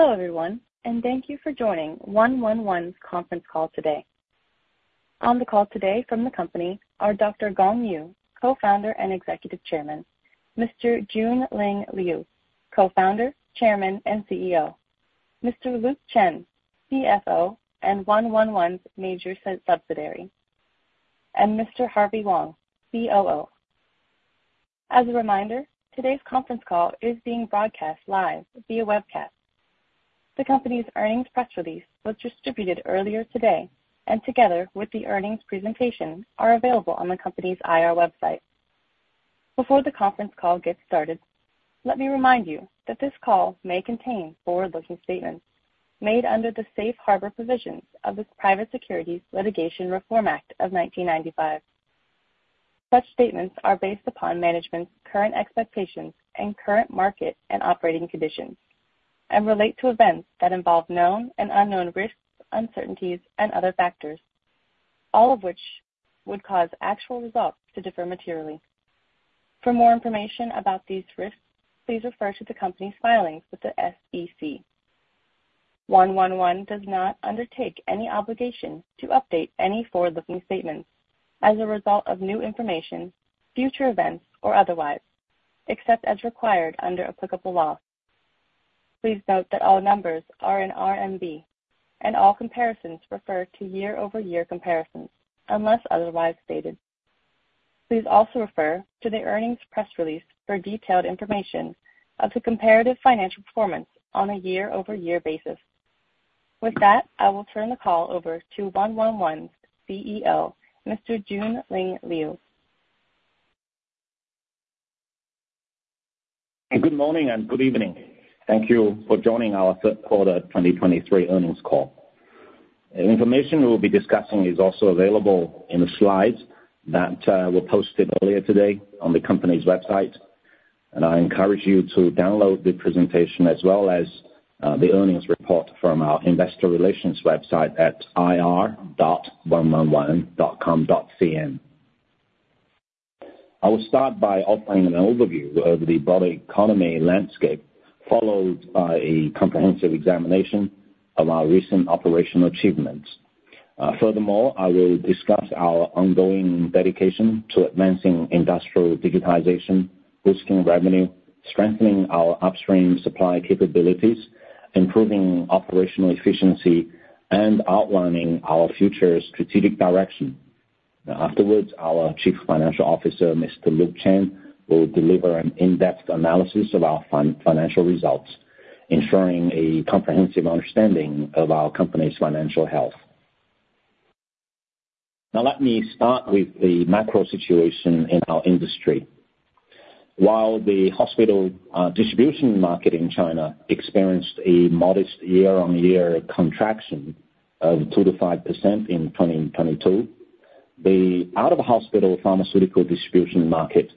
Hello, everyone, and thank you for joining 111's Conference Call Today. On the call today from the company are Dr. Gang Yu, Co-Founder and Executive Chairman, Mr. Junling Liu, Co-Founder, Chairman, and CEO, Mr. Luke Chen, CFO, and 111's major subsidiary, and Mr. Harvey Wang, COO. As a reminder, today's conference call is being broadcast live via webcast. The company's earnings press release was distributed earlier today, and together with the earnings presentation, are available on the company's IR website. Before the conference call gets started, let me remind you that this call may contain forward-looking statements made under the Safe Harbor Provisions of the Private Securities Litigation Reform Act of 1995. Such statements are based upon management's current expectations and current market and operating conditions, and relate to events that involve known and unknown risks, uncertainties, and other factors, all of which would cause actual results to differ materially. For more information about these risks, please refer to the company's filings with the SEC. One-One-One does not undertake any obligation to update any forward-looking statements as a result of new information, future events, or otherwise, except as required under applicable law. Please note that all numbers are in RMB, and all comparisons refer to year-over-year comparisons, unless otherwise stated. Please also refer to the earnings press release for detailed information of the comparative financial performance on a year-over-year basis. With that, I will turn the call over to One-One-One's CEO, Mr. Junling Liu. Good morning and good evening. Thank you for joining our third quarter 2023 earnings call. The information we will be discussing is also available in the slides that were posted earlier today on the company's website, and I encourage you to download the presentation as well as the earnings report from our investor relations website at ir.oneoneone.com.cn. I will start by offering an overview of the broader economy landscape, followed by a comprehensive examination of our recent operational achievements. Furthermore, I will discuss our ongoing dedication to advancing industrial digitization, boosting revenue, strengthening our upstream supply capabilities, improving operational efficiency, and outlining our future strategic direction. Afterwards, our Chief Financial Officer, Mr. Luke Chen, will deliver an in-depth analysis of our financial results, ensuring a comprehensive understanding of our company's financial health. Now, let me start with the macro situation in our industry. While the hospital distribution market in China experienced a modest year-on-year contraction of 2%-5% in 2022, the out-of-hospital pharmaceutical distribution market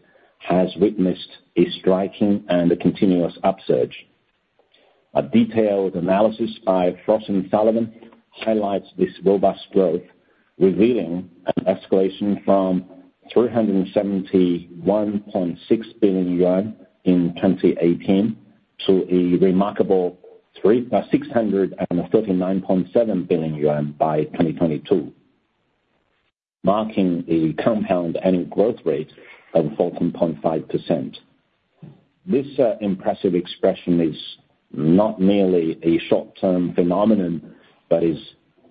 has witnessed a striking and a continuous upsurge. A detailed analysis by Frost & Sullivan highlights this robust growth, revealing an escalation from 371.6 billion yuan in 2018 to a remarkable 639.7 billion yuan by 2022, marking a compound annual growth rate of 14.5%. This impressive expression is not merely a short-term phenomenon, but is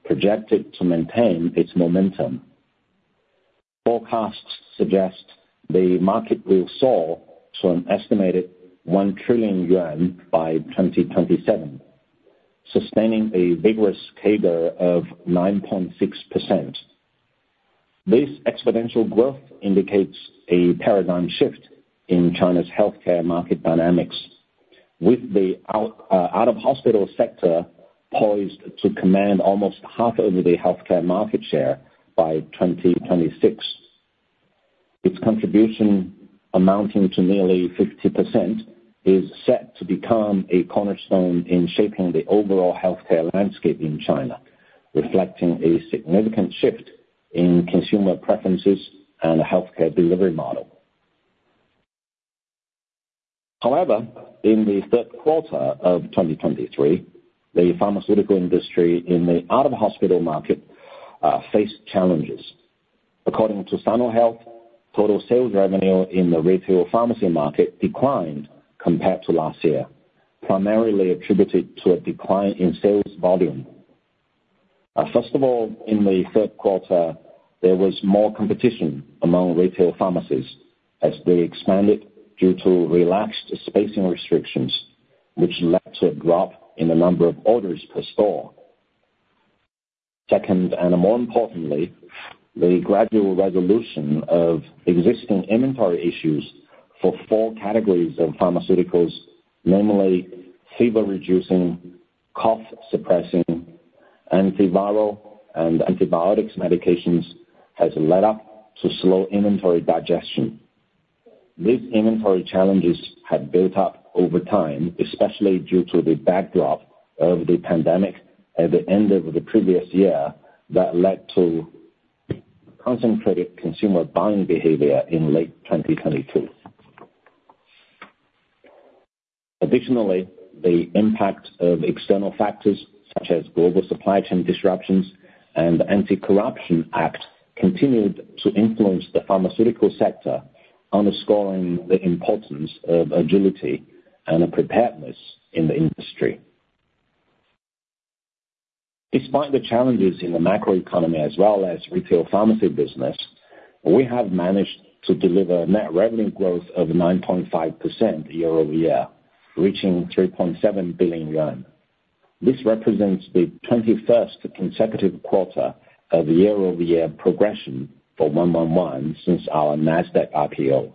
projected to maintain its momentum. Forecasts suggest the market will soar to an estimated 1 trillion yuan by 2027, sustaining a vigorous CAGR of 9.6%. This exponential growth indicates a paradigm shift in China's healthcare market dynamics, with the out-of-hospital sector poised to command almost half of the healthcare market share by 2026. Its contribution, amounting to nearly 50%, is set to become a cornerstone in shaping the overall healthcare landscape in China, reflecting a significant shift in consumer preferences and the healthcare delivery model. However, in the third quarter of 2023, the pharmaceutical industry in the out-of-hospital market faced challenges. According to Sinopharm Health, total sales revenue in the retail pharmacy market declined compared to last year, primarily attributed to a decline in sales volume. First of all, in the third quarter, there was more competition among retail pharmacies as they expanded due to relaxed spacing restrictions, which led to a drop in the number of orders per store. Second, and more importantly, the gradual resolution of existing inventory issues for four categories of pharmaceuticals, namely fever-reducing, cough-suppressing, antiviral, and antibiotics medications, has led up to slow inventory digestion. These inventory challenges had built up over time, especially due to the backdrop of the pandemic at the end of the previous year that led to concentrated consumer buying behavior in late 2022. Additionally, the impact of external factors, such as global supply chain disruptions and Anti-Corruption Act, continued to influence the pharmaceutical sector, underscoring the importance of agility and preparedness in the industry. Despite the challenges in the macroeconomy as well as retail pharmacy business, we have managed to deliver net revenue growth of 9.5% year-over-year, reaching 3.7 billion yuan. This represents the 21st consecutive quarter of year-over-year progression for 111 since our NASDAQ IPO.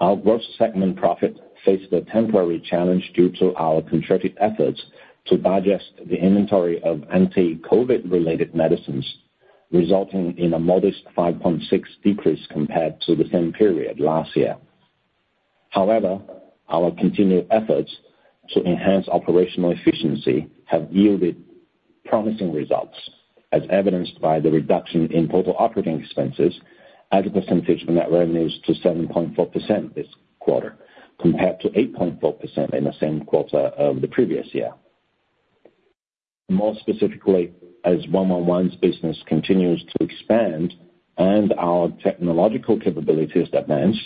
Our gross segment profit faced a temporary challenge due to our concerted efforts to digest the inventory of anti-COVID related medicines, resulting in a modest 5.6 decrease compared to the same period last year. However, our continued efforts to enhance operational efficiency have yielded promising results, as evidenced by the reduction in total operating expenses as a percentage of net revenues to 7.4% this quarter, compared to 8.4% in the same quarter of the previous year. More specifically, as 111's business continues to expand and our technological capabilities advance,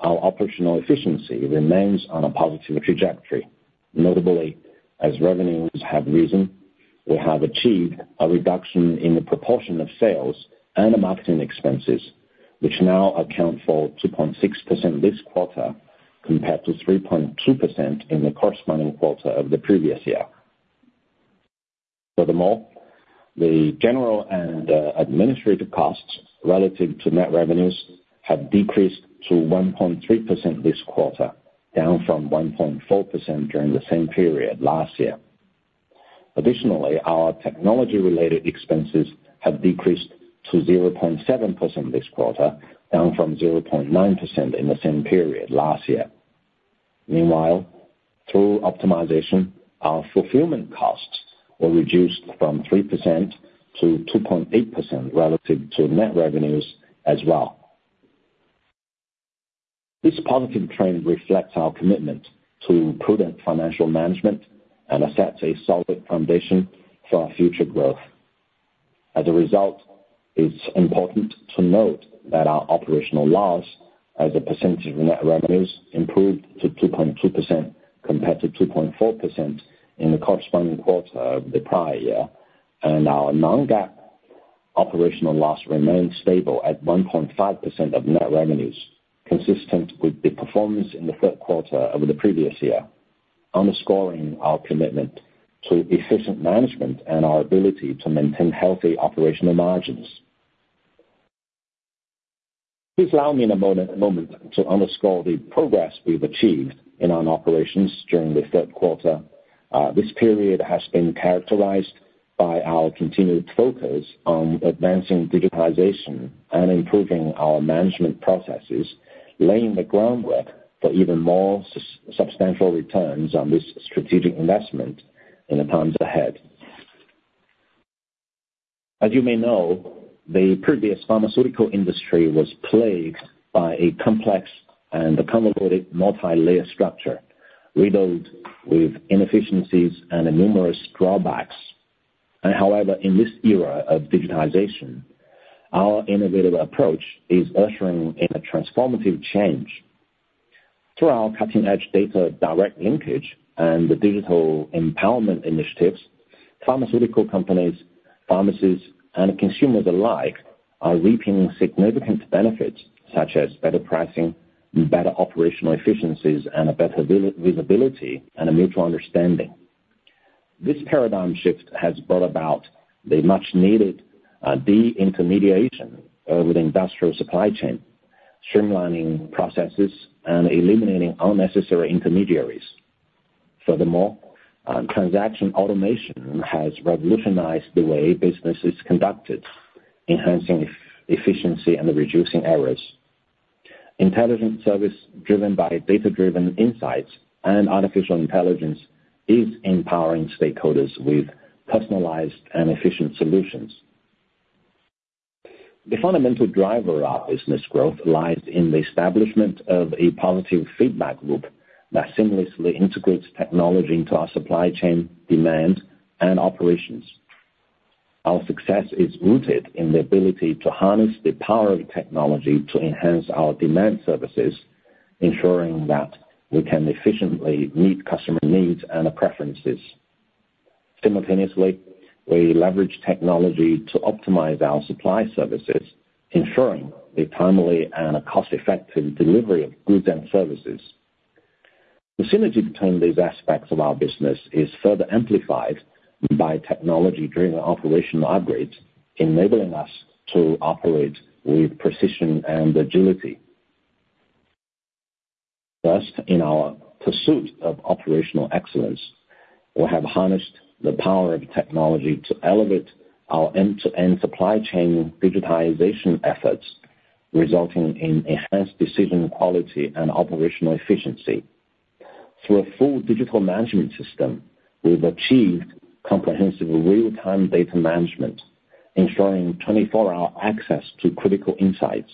our operational efficiency remains on a positive trajectory. Notably, as revenues have risen, we have achieved a reduction in the proportion of sales and the marketing expenses, which now account for 2.6% this quarter, compared to 3.2% in the corresponding quarter of the previous year. Furthermore, the general and administrative costs relative to net revenues have decreased to 1.3% this quarter, down from 1.4% during the same period last year. Additionally, our technology-related expenses have decreased to 0.7% this quarter, down from 0.9% in the same period last year. Meanwhile, through optimization, our fulfillment costs were reduced from 3% to 2.8% relative to net revenues as well. This positive trend reflects our commitment to prudent financial management and sets a solid foundation for our future growth. As a result, it's important to note that our operational loss as a percentage of net revenues improved to 2.2%, compared to 2.4% in the corresponding quarter of the prior year, and our non-GAAP operational loss remained stable at 1.5% of net revenues, consistent with the performance in the third quarter over the previous year, underscoring our commitment to efficient management and our ability to maintain healthy operational margins. Please allow me a moment to underscore the progress we've achieved in our operations during the third quarter. This period has been characterized by our continued focus on advancing digitization and improving our management processes, laying the groundwork for even more substantial returns on this strategic investment in the times ahead. As you may know, the previous pharmaceutical industry was plagued by a complex and convoluted multilayer structure, riddled with inefficiencies and numerous drawbacks. However, in this era of digitization, our innovative approach is ushering in a transformative change. Through our cutting-edge data, direct linkage, and the digital empowerment initiatives, pharmaceutical companies, pharmacies, and consumers alike are reaping significant benefits, such as better pricing, better operational efficiencies, and a better visibility and a mutual understanding. This paradigm shift has brought about the much-needed deintermediation of the industrial supply chain, streamlining processes and eliminating unnecessary intermediaries. Furthermore, transaction automation has revolutionized the way business is conducted, enhancing efficiency and reducing errors. Intelligent service, driven by data-driven insights and artificial intelligence, is empowering stakeholders with personalized and efficient solutions. The fundamental driver of our business growth lies in the establishment of a positive feedback loop that seamlessly integrates technology into our supply chain, demand, and operations. Our success is rooted in the ability to harness the power of technology to enhance our demand services, ensuring that we can efficiently meet customer needs and preferences. Simultaneously, we leverage technology to optimize our supply services, ensuring the timely and cost-effective delivery of goods and services. The synergy between these aspects of our business is further amplified by technology-driven operational upgrades, enabling us to operate with precision and agility. Thus, in our pursuit of operational excellence, we have harnessed the power of technology to elevate our end-to-end supply chain digitization efforts, resulting in enhanced decision quality and operational efficiency.... Through a full digital management system, we've achieved comprehensive real-time data management, ensuring 24-hour access to critical insights.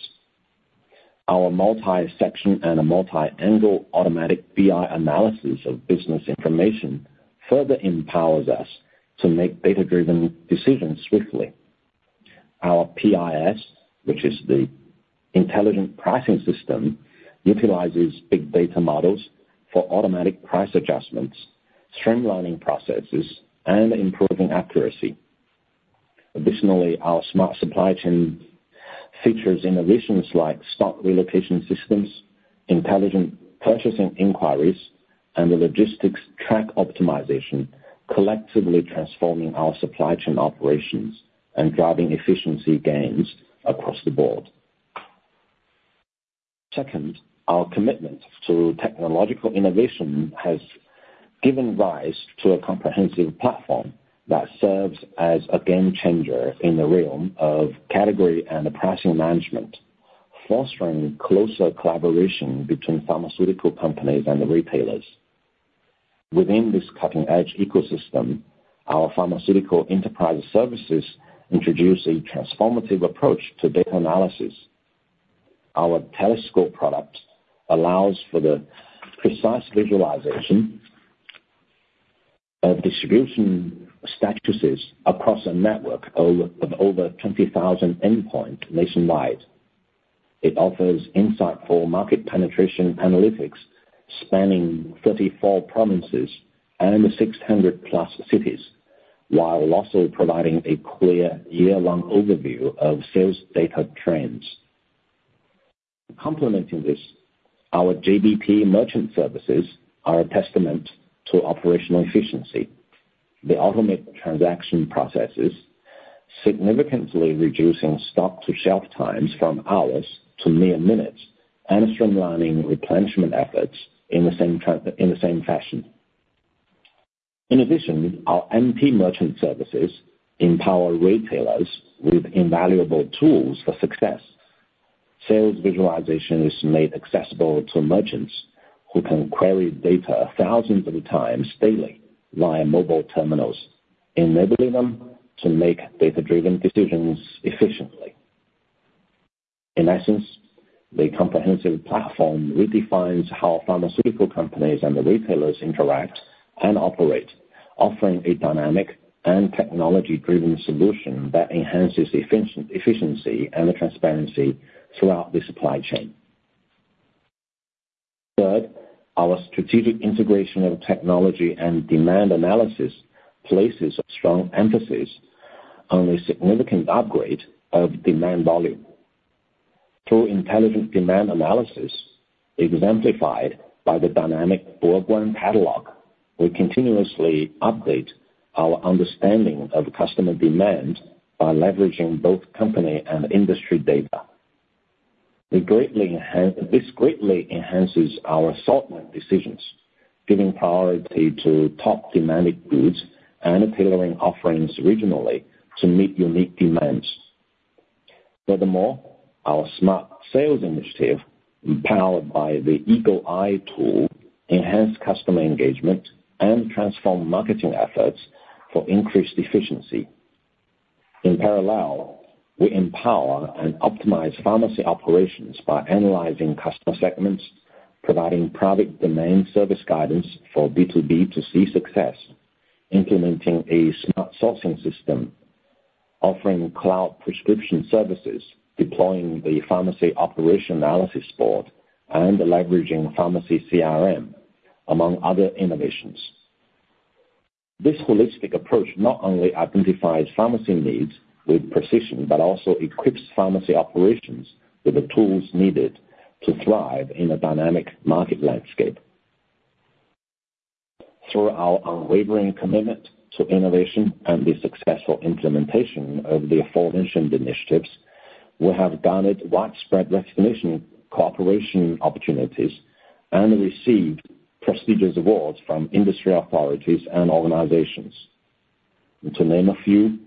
Our multi-section and a multi-angle automatic BI analysis of business information further empowers us to make data-driven decisions swiftly. Our PIS, which is the intelligent pricing system, utilizes big data models for automatic price adjustments, streamlining processes, and improving accuracy. Additionally, our smart supply chain features innovations like stock relocation systems, intelligent purchasing inquiries, and the logistics track optimization, collectively transforming our supply chain operations and driving efficiency gains across the board. Second, our commitment to technological innovation has given rise to a comprehensive platform that serves as a game changer in the realm of category and pricing management, fostering closer collaboration between pharmaceutical companies and the retailers. Within this cutting-edge ecosystem, our pharmaceutical enterprise services introduce a transformative approach to data analysis. Our Telescope product allows for the precise visualization of distribution statuses across a network of over 20,000 endpoints nationwide. It offers insight for market penetration analytics, spanning 34 provinces and 600+ cities, while also providing a clear year-long overview of sales data trends. Complementing this, our JBP Merchant Services are a testament to operational efficiency. They automate transaction processes, significantly reducing stock-to-shelf times from hours to mere minutes, and streamlining replenishment efforts in the same fashion. In addition, our MP merchant services empower retailers with invaluable tools for success. Sales visualization is made accessible to merchants who can query data thousands of times daily via mobile terminals, enabling them to make data-driven decisions efficiently. In essence, the comprehensive platform redefines how pharmaceutical companies and the retailers interact and operate, offering a dynamic and technology-driven solution that enhances efficiency and the transparency throughout the supply chain. Third, our strategic integration of technology and demand analysis places a strong emphasis on a significant upgrade of demand volume. Through intelligent demand analysis, exemplified by the Dynamic Catalog, we continuously update our understanding of customer demand by leveraging both company and industry data. This greatly enhances our assortment decisions, giving priority to top demanded goods and tailoring offerings regionally to meet unique demands. Furthermore, our smart sales initiative, empowered by the Eagle Eye tool, enhance customer engagement and transform marketing efforts for increased efficiency. In parallel, we empower and optimize pharmacy operations by analyzing customer segments, providing product demand service guidance for B2B to C success, implementing a smart sourcing system, offering cloud prescription services, deploying the pharmacy operation analysis board, and leveraging pharmacy CRM, among other innovations. This holistic approach not only identifies pharmacy needs with precision, but also equips pharmacy operations with the tools needed to thrive in a dynamic market landscape. Through our unwavering commitment to innovation and the successful implementation of the aforementioned initiatives, we have garnered widespread recognition, cooperation opportunities, and received prestigious awards from industry authorities and organizations. To name a few,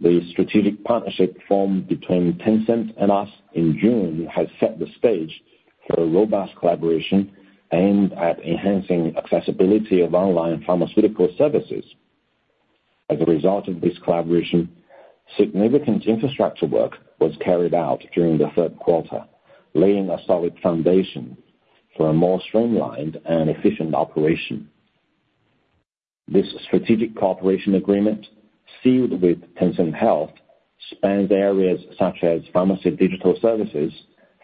the strategic partnership formed between Tencent and us in June has set the stage for a robust collaboration aimed at enhancing accessibility of online pharmaceutical services. As a result of this collaboration, significant infrastructure work was carried out during the third quarter, laying a solid foundation for a more streamlined and efficient operation. This strategic cooperation agreement, sealed with Tencent Health, spans areas such as pharmacy digital services,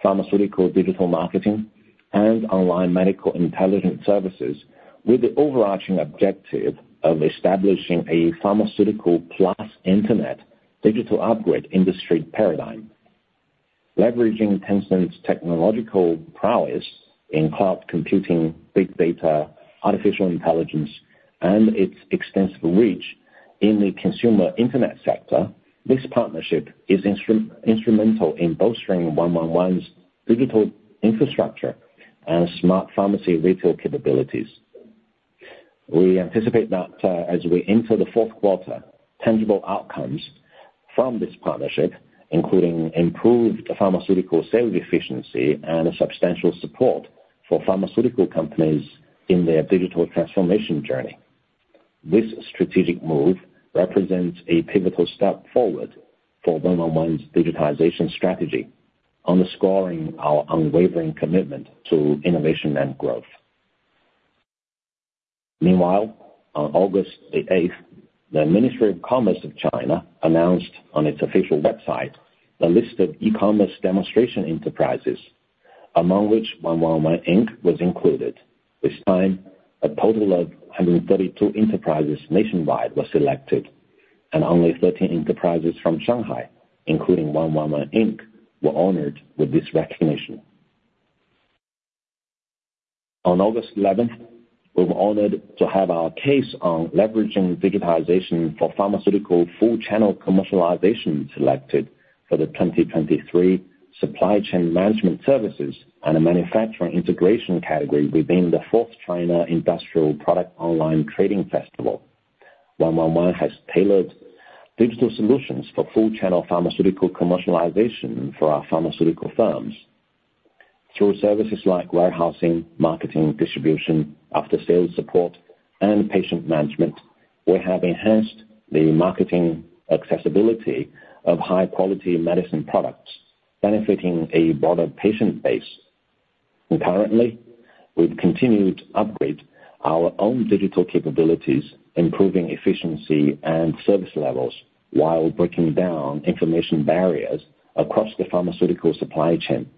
pharmaceutical digital marketing, and online medical intelligence services, with the overarching objective of establishing a pharmaceutical plus internet digital upgrade industry paradigm. Leveraging Tencent's technological prowess in cloud computing, big data, artificial intelligence, and its extensive reach in the consumer internet sector, this partnership is instrumental in bolstering 111's digital infrastructure and smart pharmacy retail capabilities. We anticipate that, as we enter the fourth quarter, tangible outcomes from this partnership, including improved pharmaceutical sales efficiency and substantial support for pharmaceutical companies in their digital transformation journey. This strategic move represents a pivotal step forward for 111's digitization strategy, underscoring our unwavering commitment to innovation and growth. Meanwhile, on August the eighth, the Ministry of Commerce of China announced on its official website, the list of e-commerce demonstration enterprises, among which 111, Inc. was included. This time, a total of 132 enterprises nationwide were selected, and only 13 enterprises from Shanghai, including 111, Inc., were honored with this recognition. On August eleventh, we were honored to have our case on leveraging digitization for pharmaceutical full channel commercialization, selected for the 2023 supply chain management services and a manufacturing integration category within the fourth China Industrial Product Online Trading Festival. 111, Inc. has tailored digital solutions for full channel pharmaceutical commercialization for our pharmaceutical firms. Through services like warehousing, marketing, distribution, after-sales support, and patient management, we have enhanced the marketing accessibility of high-quality medicine products, benefiting a broader patient base. Concurrently, we've continued to upgrade our own digital capabilities, improving efficiency and service levels, while breaking down information barriers across the pharmaceutical supply chain.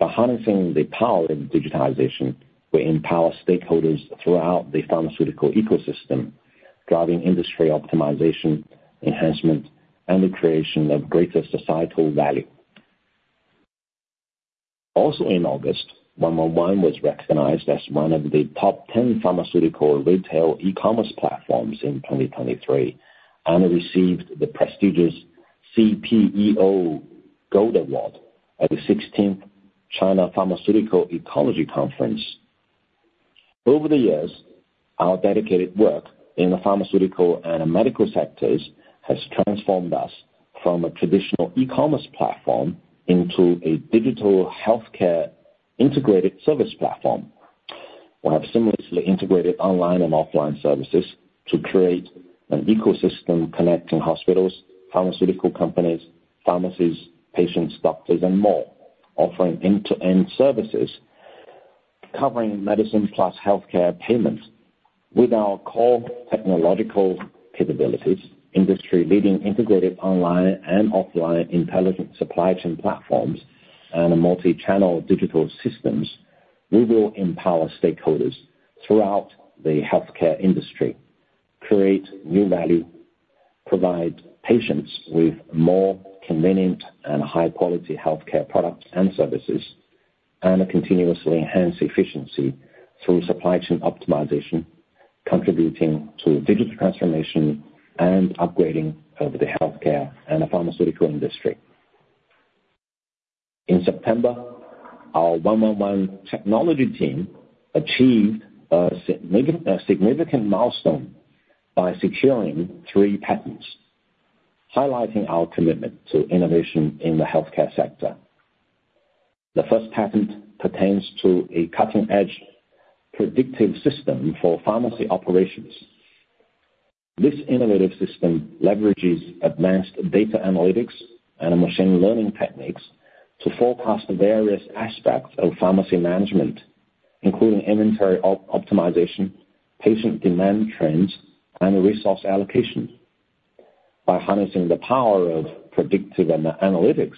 By harnessing the power of digitization, we empower stakeholders throughout the pharmaceutical ecosystem, driving industry optimization, enhancement, and the creation of greater societal value. Also, in August, 111 was recognized as one of the top 10 pharmaceutical retail e-commerce platforms in 2023, and it received the prestigious CPEO Gold Award at the sixteenth China Pharmaceutical Ecology Conference. Over the years, our dedicated work in the pharmaceutical and medical sectors has transformed us from a traditional e-commerce platform into a digital healthcare integrated service platform. We have seamlessly integrated online and offline services to create an ecosystem connecting hospitals, pharmaceutical companies, pharmacies, patients, doctors, and more, offering end-to-end services, covering medicine plus healthcare payments. With our core technological capabilities, industry-leading integrated online and offline intelligent supply chain platforms, and a multi-channel digital systems, we will empower stakeholders throughout the healthcare industry, create new value, provide patients with more convenient and high-quality healthcare products and services, and continuously enhance efficiency through supply chain optimization, contributing to digital transformation and upgrading of the healthcare and the pharmaceutical industry. In September, our 1 Pharmacy Technology team achieved a significant milestone by securing three patents, highlighting our commitment to innovation in the healthcare sector. The first patent pertains to a cutting-edge predictive system for pharmacy operations. This innovative system leverages advanced data analytics and machine learning techniques to forecast various aspects of pharmacy management, including inventory optimization, patient demand trends, and resource allocation. By harnessing the power of predictive analytics,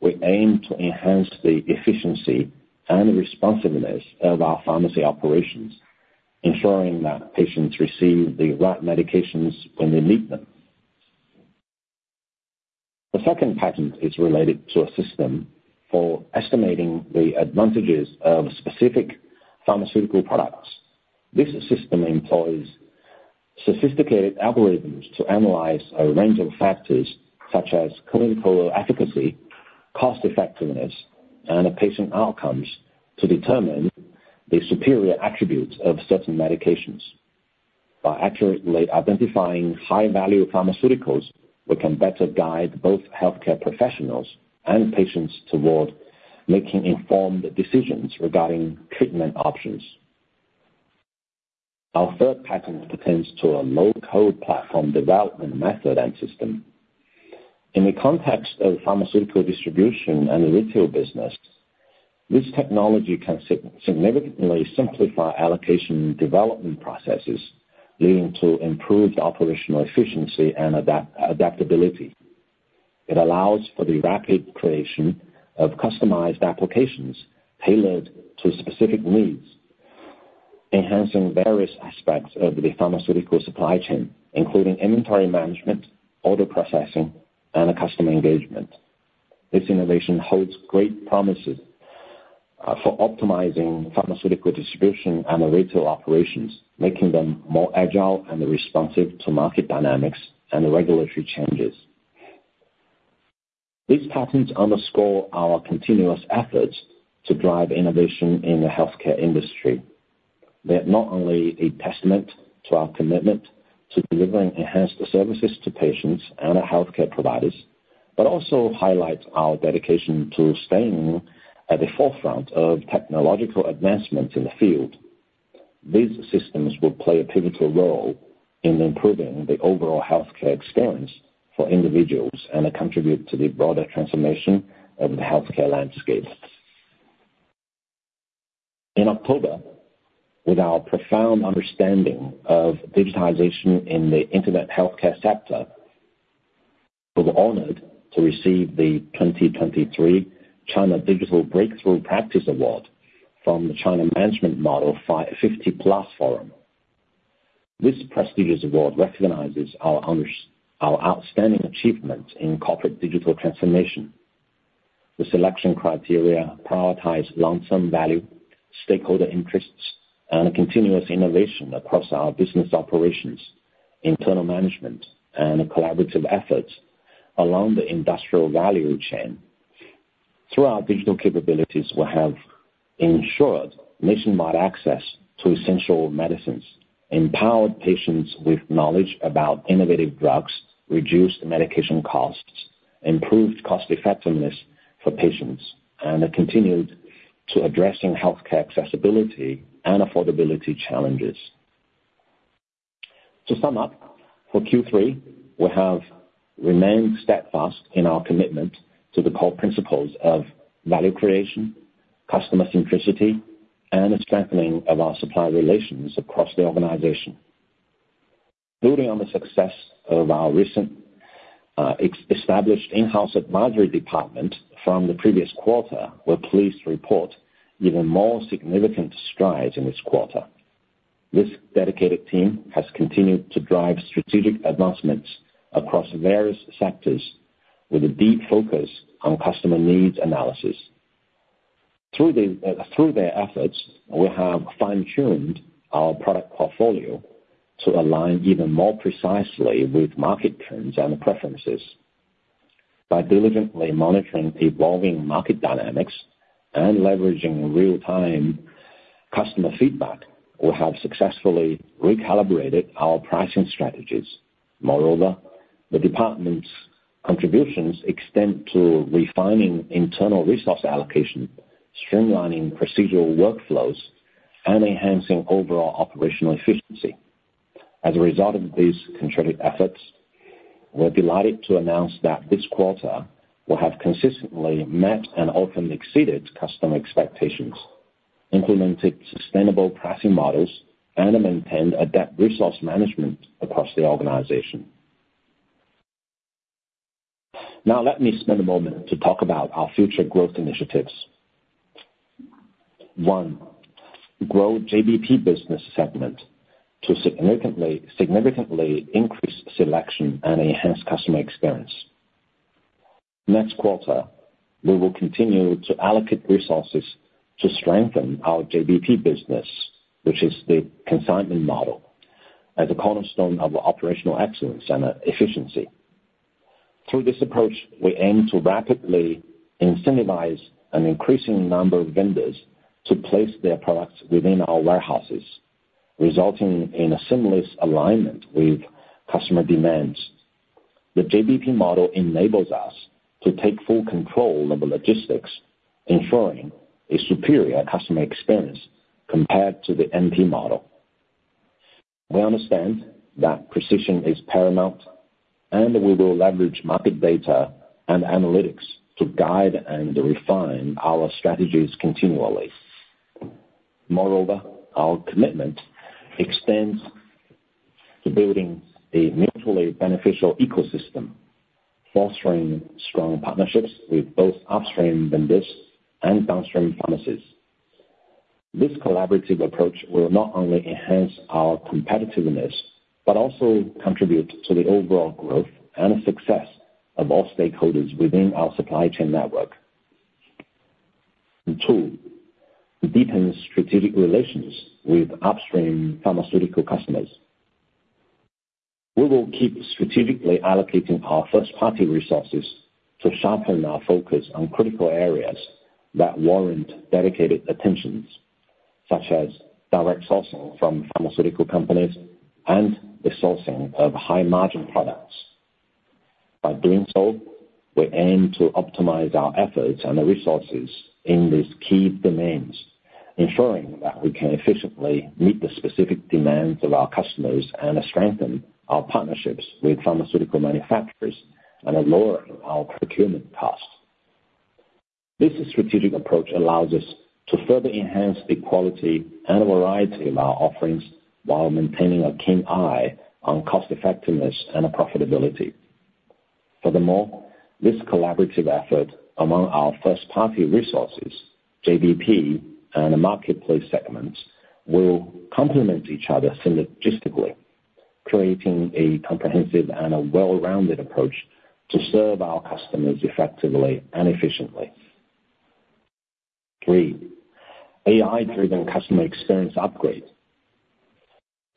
we aim to enhance the efficiency and responsiveness of our pharmacy operations, ensuring that patients receive the right medications when they need them. The second patent is related to a system for estimating the advantages of specific pharmaceutical products. This system employs sophisticated algorithms to analyze a range of factors, such as clinical efficacy, cost-effectiveness, and patient outcomes, to determine the superior attributes of certain medications. By accurately identifying high-value pharmaceuticals, we can better guide both healthcare professionals and patients toward making informed decisions regarding treatment options. Our third patent pertains to a low-code platform development method and system. In the context of pharmaceutical distribution and retail business, this technology can significantly simplify allocation development processes, leading to improved operational efficiency and adaptability. It allows for the rapid creation of customized applications tailored to specific needs, enhancing various aspects of the pharmaceutical supply chain, including inventory management, order processing, and customer engagement. This innovation holds great promises for optimizing pharmaceutical distribution and retail operations, making them more agile and responsive to market dynamics and regulatory changes. These patents underscore our continuous efforts to drive innovation in the healthcare industry. They're not only a testament to our commitment to delivering enhanced services to patients and our healthcare providers, but also highlight our dedication to staying at the forefront of technological advancements in the field. These systems will play a pivotal role in improving the overall healthcare experience for individuals, and contribute to the broader transformation of the healthcare landscape. In October, with our profound understanding of digitization in the internet healthcare sector, we were honored to receive the 2023 China Digital Breakthrough Practice Award from the China Management Model 5+ Forum. This prestigious award recognizes our outstanding achievements in corporate digital transformation. The selection criteria prioritize long-term value, stakeholder interests, and continuous innovation across our business operations, internal management, and collaborative efforts along the industrial value chain. Through our digital capabilities, we have ensured nationwide access to essential medicines, empowered patients with knowledge about innovative drugs, reduced medication costs, improved cost-effectiveness for patients, and are continued to addressing healthcare accessibility and affordability challenges. To sum up, for Q3, we have remained steadfast in our commitment to the core principles of value creation, customer centricity, and the strengthening of our supplier relations across the organization. Building on the success of our recently established in-house advisory department from the previous quarter, we're pleased to report even more significant strides in this quarter. This dedicated team has continued to drive strategic advancements across various sectors with a deep focus on customer needs analysis. Through their efforts, we have fine-tuned our product portfolio to align even more precisely with market trends and preferences. By diligently monitoring evolving market dynamics and leveraging real-time customer feedback, we have successfully recalibrated our pricing strategies. Moreover, the department's contributions extend to refining internal resource allocation, streamlining procedural workflows, and enhancing overall operational efficiency. As a result of these concerted efforts, we're delighted to announce that this quarter we have consistently met and often exceeded customer expectations, implemented sustainable pricing models, and have maintained adept resource management across the organization. Now, let me spend a moment to talk about our future growth initiatives. One, grow JBP business segment to significantly, significantly increase selection and enhance customer experience. Next quarter, we will continue to allocate resources to strengthen our JBP business, which is the consignment model, as a cornerstone of operational excellence and efficiency. Through this approach, we aim to rapidly incentivize an increasing number of vendors to place their products within our warehouses, resulting in a seamless alignment with customer demands. The JBP model enables us to take full control of the logistics, ensuring a superior customer experience compared to the MP model. We understand that precision is paramount, and we will leverage market data and analytics to guide and refine our strategies continually. Moreover, our commitment extends to building a mutually beneficial ecosystem, fostering strong partnerships with both upstream vendors and downstream pharmacies. This collaborative approach will not only enhance our competitiveness, but also contribute to the overall growth and success of all stakeholders within our supply chain network. 2, to deepen strategic relations with upstream pharmaceutical customers. We will keep strategically allocating our first-party resources to sharpen our focus on critical areas that warrant dedicated attention, such as direct sourcing from pharmaceutical companies and the sourcing of high-margin products. By doing so, we aim to optimize our efforts and the resources in these key domains, ensuring that we can efficiently meet the specific demands of our customers, and strengthen our partnerships with pharmaceutical manufacturers, and lower our procurement costs. This strategic approach allows us to further enhance the quality and variety of our offerings, while maintaining a keen eye on cost effectiveness and profitability. Furthermore, this collaborative effort among our first-party resources, JBP, and the marketplace segments, will complement each other synergistically, creating a comprehensive and a well-rounded approach to serve our customers effectively and efficiently. Three, AI-driven customer experience upgrade.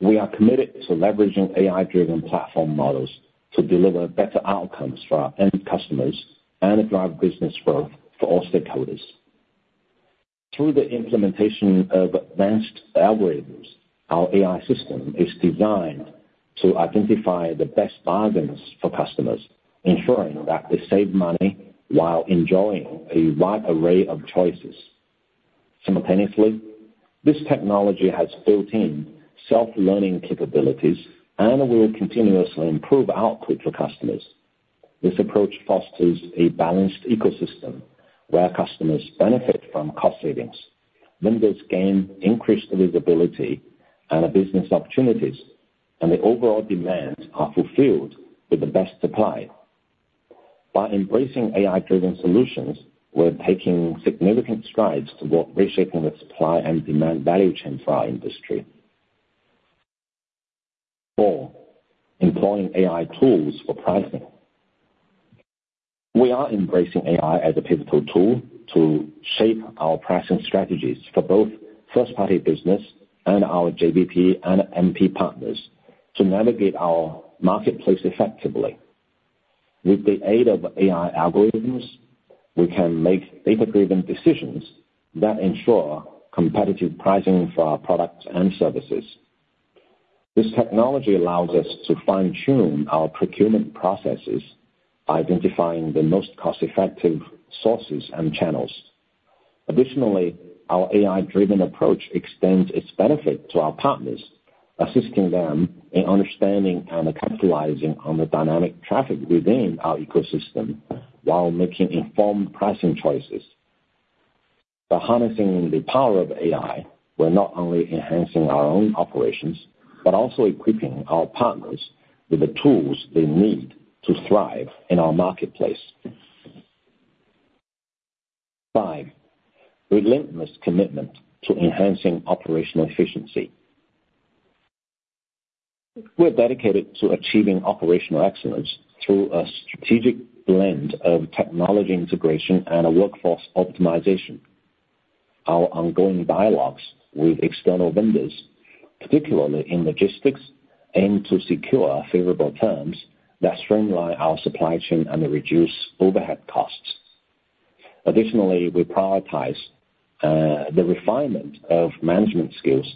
We are committed to leveraging AI-driven platform models to deliver better outcomes for our end customers and to drive business growth for all stakeholders. Through the implementation of advanced algorithms, our AI system is designed to identify the best bargains for customers, ensuring that they save money while enjoying a wide array of choices. Simultaneously, this technology has built-in self-learning capabilities and will continuously improve output for customers. This approach fosters a balanced ecosystem where customers benefit from cost savings, vendors gain increased visibility and business opportunities, and the overall demands are fulfilled with the best supply. By embracing AI-driven solutions, we're taking significant strides toward reshaping the supply and demand value chain for our industry. Four, employing AI tools for pricing. We are embracing AI as a pivotal tool to shape our pricing strategies for both first-party business and our JBP and MP partners to navigate our marketplace effectively. With the aid of AI algorithms, we can make data-driven decisions that ensure competitive pricing for our products and services. This technology allows us to fine-tune our procurement processes, identifying the most cost-effective sources and channels. Additionally, our AI-driven approach extends its benefit to our partners, assisting them in understanding how to capitalize on the dynamic traffic within our ecosystem while making informed pricing choices. By harnessing the power of AI, we're not only enhancing our own operations, but also equipping our partners with the tools they need to thrive in our marketplace. Five, relentless commitment to enhancing operational efficiency. We're dedicated to achieving operational excellence through a strategic blend of technology integration and a workforce optimization. Our ongoing dialogues with external vendors, particularly in logistics, aim to secure favorable terms that streamline our supply chain and reduce overhead costs. Additionally, we prioritize the refinement of management skills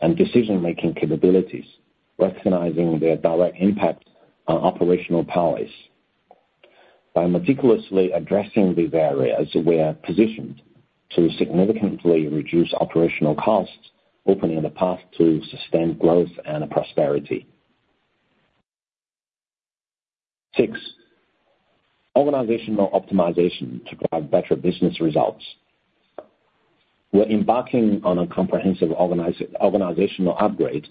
and decision-making capabilities, recognizing their direct impact on operational prowess. By meticulously addressing these areas, we are positioned to significantly reduce operational costs, opening the path to sustained growth and prosperity. Six, organizational optimization to drive better business results. We're embarking on a comprehensive organizational upgrade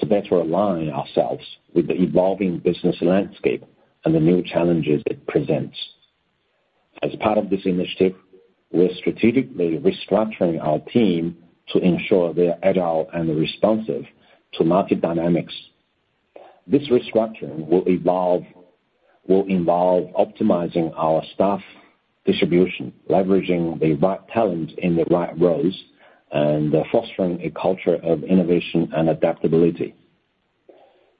to better align ourselves with the evolving business landscape and the new challenges it presents. As part of this initiative, we're strategically restructuring our team to ensure they are agile and responsive to market dynamics. This restructuring will involve optimizing our staff distribution, leveraging the right talent in the right roles, and fostering a culture of innovation and adaptability.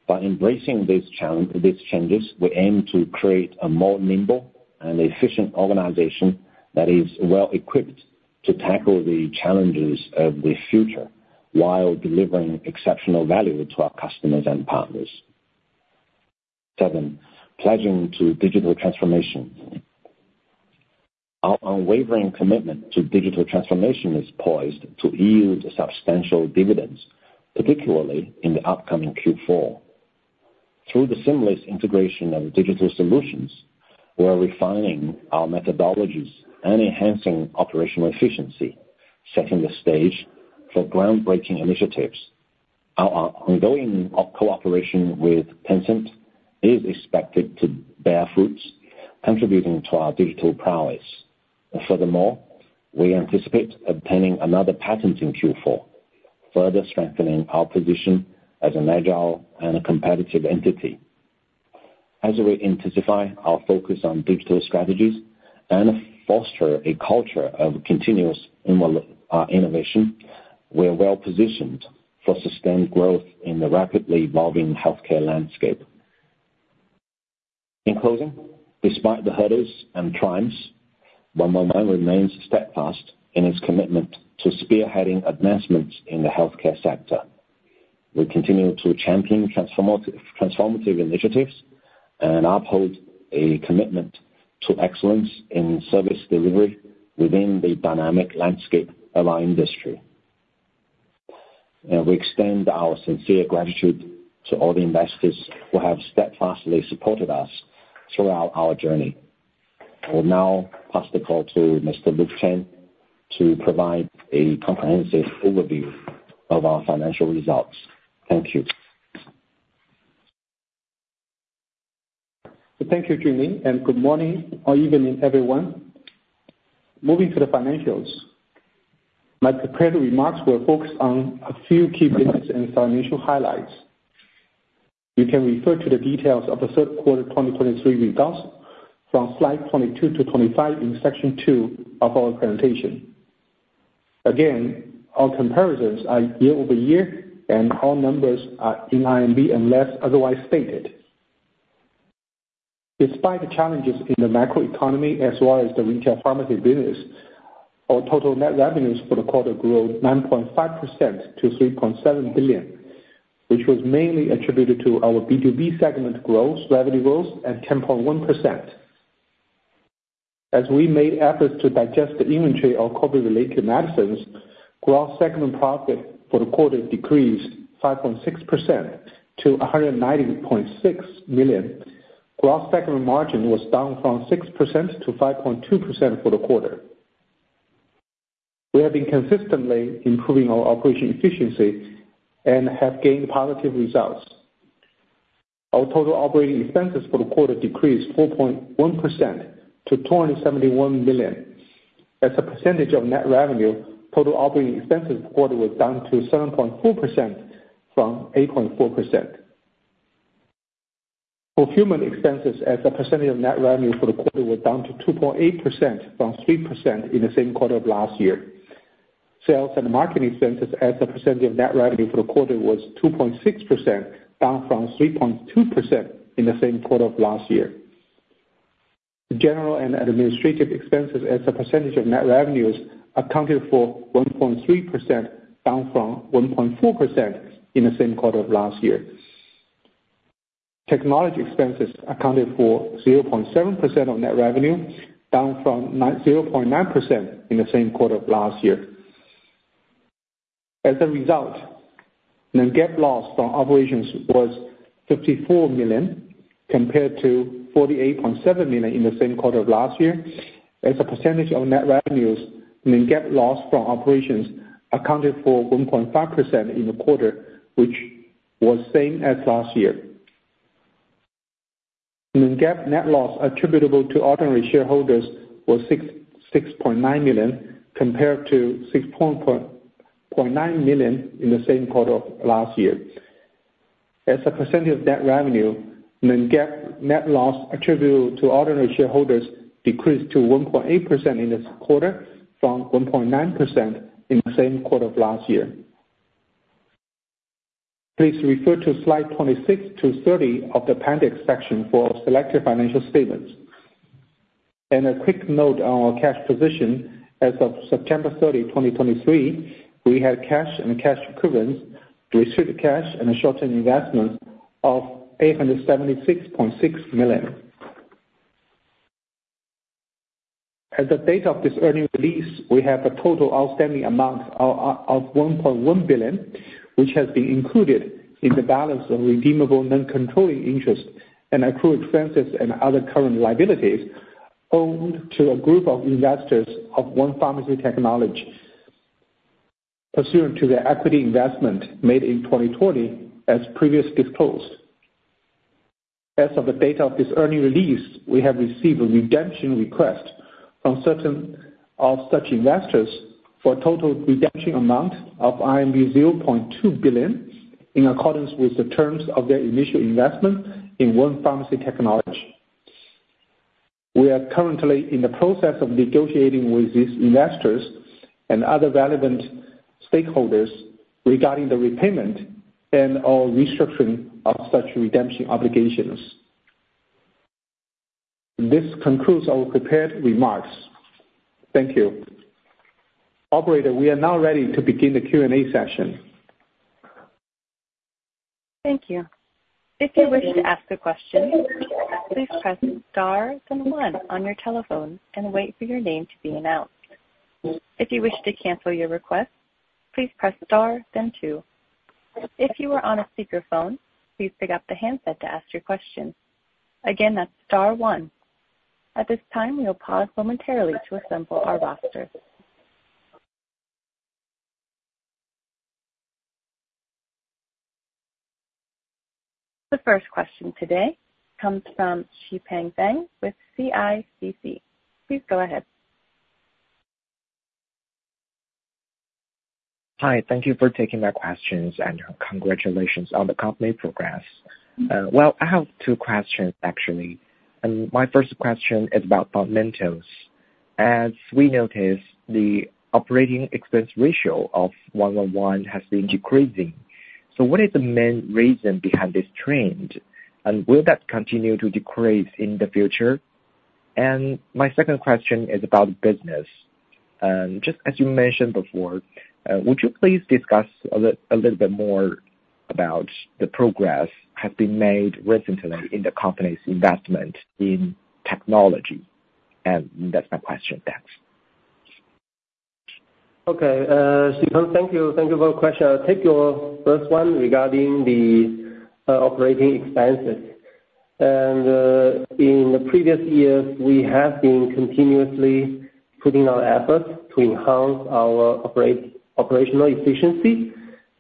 By embracing these challenge, these changes, we aim to create a more nimble and efficient organization that is well-equipped to tackle the challenges of the future, while delivering exceptional value to our customers and partners. Seven, pledging to digital transformation. Our unwavering commitment to digital transformation is poised to yield substantial dividends, particularly in the upcoming Q4. Through the seamless integration of digital solutions, we are refining our methodologies and enhancing operational efficiency, setting the stage for groundbreaking initiatives. Our ongoing cooperation with Tencent is expected to bear fruits, contributing to our digital prowess. Furthermore, we anticipate obtaining another patent in Q4, further strengthening our position as an agile and a competitive entity. As we intensify our focus on digital strategies and foster a culture of continuous innovation, we are well-positioned for sustained growth in the rapidly evolving healthcare landscape. In closing, despite the hurdles and triumphs, 111 remains steadfast in its commitment to spearheading advancements in the healthcare sector. We continue to champion transformative initiatives and uphold a commitment to excellence in service delivery within the dynamic landscape of our industry. We extend our sincere gratitude to all the investors who have steadfastly supported us throughout our journey. I will now pass the call to Mr. Luke Chen to provide a comprehensive overview of our financial results. Thank you. Thank you, Jimmy, and good morning or evening, everyone. Moving to the financials, my prepared remarks were focused on a few key business and financial highlights. ... You can refer to the details of the third quarter 2023 results from Slide 22-25 in Section 2 of our presentation. Again, our comparisons are year-over-year, and all numbers are in RMB, unless otherwise stated. Despite the challenges in the macroeconomy as well as the retail pharmacy business, our total net revenues for the quarter grew 9.5% to 3.7 billion, which was mainly attributed to our B2B segment growth, revenue growth at 10.1%. As we made efforts to digest the inventory of COVID-related medicines, gross segment profit for the quarter decreased 5.6% to 190.6 million. Gross segment margin was down from 6% to 5.2% for the quarter. We have been consistently improving our operation efficiency and have gained positive results. Our total operating expenses for the quarter decreased 4.1% to 271 million. As a percentage of net revenue, total operating expenses for the quarter was down to 7.4% from 8.4%. Fulfillment expenses as a percentage of net revenue for the quarter were down to 2.8% from 3% in the same quarter of last year. Sales and marketing expenses as a percentage of net revenue for the quarter was 2.6%, down from 3.2% in the same quarter of last year. The general and administrative expenses as a percentage of net revenues accounted for 1.3%, down from 1.4% in the same quarter of last year. Technology expenses accounted for 0.7% of net revenue, down from 0.9% in the same quarter of last year. As a result, net GAAP loss from operations was 54 million, compared to 48.7 million in the same quarter of last year. As a percentage of net revenues, net GAAP loss from operations accounted for 1.5% in the quarter, which was same as last year. Net GAAP net loss attributable to ordinary shareholders was 66.9 million, compared to 69.9 million in the same quarter of last year. As a percentage of net revenue, net GAAP net loss attributable to ordinary shareholders decreased to 1.8% in this quarter from 1.9% in the same quarter of last year. Please refer to Slide 26-30 of the appendix section for selected financial statements. A quick note on our cash position. As of September 30, 2023, we had cash and cash equivalents, restricted cash and short-term investments of CNY 876.6 million. As of the date of this earnings release, we have a total outstanding amount of one point one billion, which has been included in the balance of redeemable non-controlling interest and accrued expenses and other current liabilities owed to a group of investors of One Pharmacy Technology, pursuant to their equity investment made in 2020, as previously disclosed. As of the date of this earnings release, we have received a redemption request from certain of such investors for a total redemption amount of RMB 0.2 billion, in accordance with the terms of their initial investment in One Pharmacy Technology. We are currently in the process of negotiating with these investors and other relevant stakeholders regarding the repayment and/or restructuring of such redemption obligations. This concludes our prepared remarks. Thank you. Operator, we are now ready to begin the Q&A session. Thank you. If you wish to ask a question, please press star then one on your telephone and wait for your name to be announced. If you wish to cancel your request, please press star then two. If you are on a speakerphone, please pick up the handset to ask your question. Again, that's star one. At this time, we will pause momentarily to assemble our roster. The first question today comes from Xipeng Feng with CICC. Please go ahead. Hi, thank you for taking my questions, and congratulations on the company progress. Well, I have two questions, actually, and my first question is about fundamentals. As we notice, the operating expense ratio of 111 has been decreasing. So what is the main reason behind this trend, and will that continue to decrease in the future? And my second question is about business. Just as you mentioned before, would you please discuss a little bit more about the progress have been made recently in the company's investment in technology? And that's my question. Thanks. Okay. Xipeng, thank you. Thank you for the question. I'll take your first one regarding the operating expenses. In the previous years, we have been continuously putting our efforts to enhance our operational efficiency.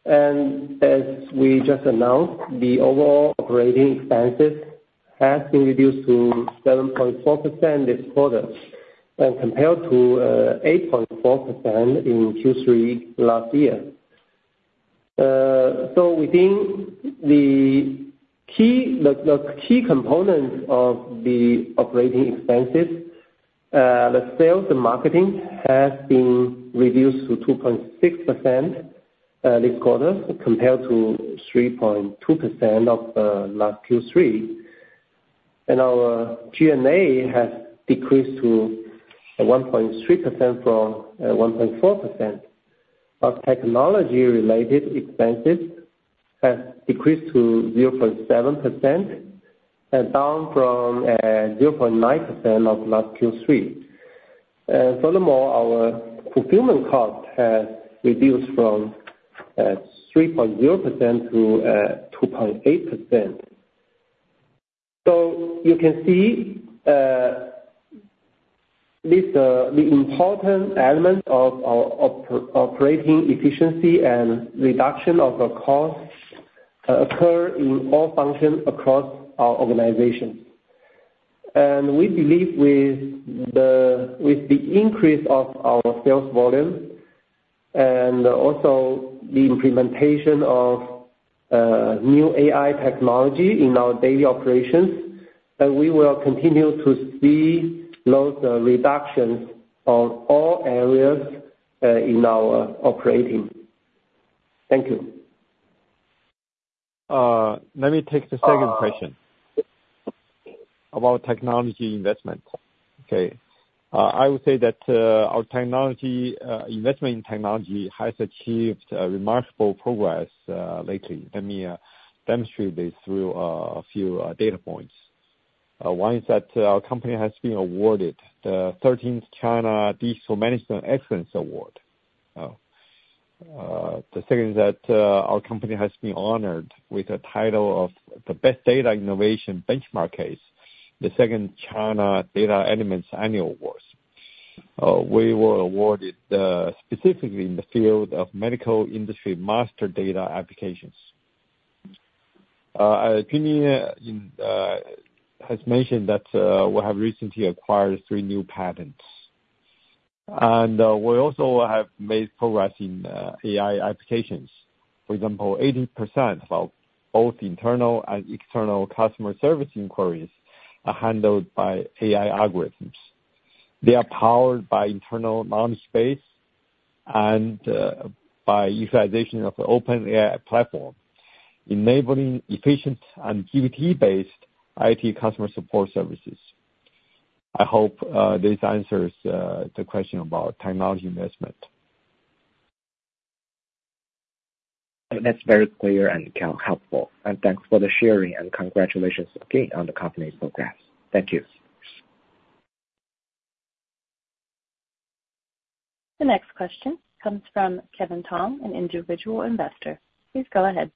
And as we just announced, the overall operating expenses have been reduced to 7.4% this quarter.... and compared to 8.4% in Q3 last year. So within the key, the key components of the operating expenses, the sales and marketing has been reduced to 2.6% this quarter, compared to 3.2% of last Q3. And our G&A has decreased to 1.3% from 1.4%. Our technology-related expenses has decreased to 0.7% and down from 0.9% of last Q3. And furthermore, our fulfillment cost has reduced from 3.0%-2.8%. So you can see this, the important element of our operating efficiency and reduction of the costs occur in all functions across our organization. We believe with the increase of our sales volume and also the implementation of new AI technology in our daily operations, that we will continue to see those reductions on all areas in our operating. Thank you. Let me take the second question about technology investment. Okay. I would say that our technology investment in technology has achieved a remarkable progress lately. Let me demonstrate this through a few data points. One is that our company has been awarded the 13th China Digital Management Excellence Award. The second is that our company has been honored with the title of the Best Data Innovation Benchmark Case, the 2nd China Data Elements Annual Awards. We were awarded specifically in the field of medical industry master data applications. Pini has mentioned that we have recently acquired three new patents. We also have made progress in AI applications. For example, 80% of both internal and external customer service inquiries are handled by AI algorithms. They are powered by internal knowledge space and by utilization of the OpenAI platform, enabling efficient and GPT-based IT customer support services. I hope this answers the question about technology investment. That's very clear and helpful, and thanks for the sharing, and congratulations again on the company's progress. Thank you. The next question comes from Kevin Tong, an individual investor. Please go ahead.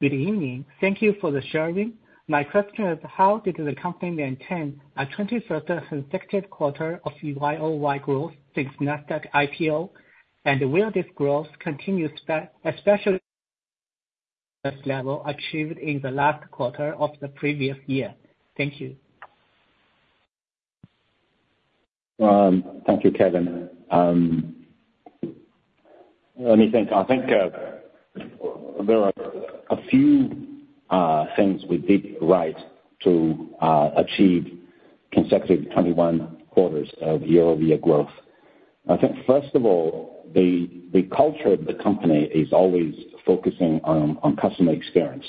Good evening. Thank you for the sharing. My question is, how did the company intend a twenty-first consecutive quarter of YoY growth since NASDAQ IPO? And will this growth continue especially this level achieved in the last quarter of the previous year? Thank you. Thank you, Kevin. Let me think. I think there are a few things we did right to achieve consecutive 21 quarters of year-over-year growth. I think, first of all, the culture of the company is always focusing on customer experience.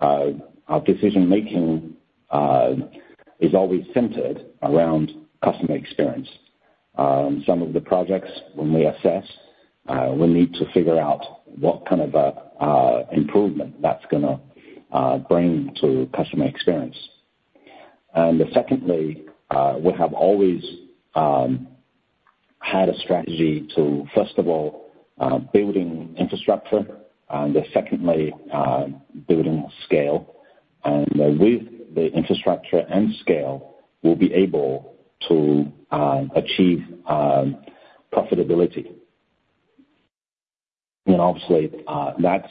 Our decision-making is always centered around customer experience. Some of the projects, when we assess, we need to figure out what kind of improvement that's gonna bring to customer experience. And secondly, we have always had a strategy to, first of all, building infrastructure, and secondly, building scale. And with the infrastructure and scale, we'll be able to achieve profitability. And obviously, that's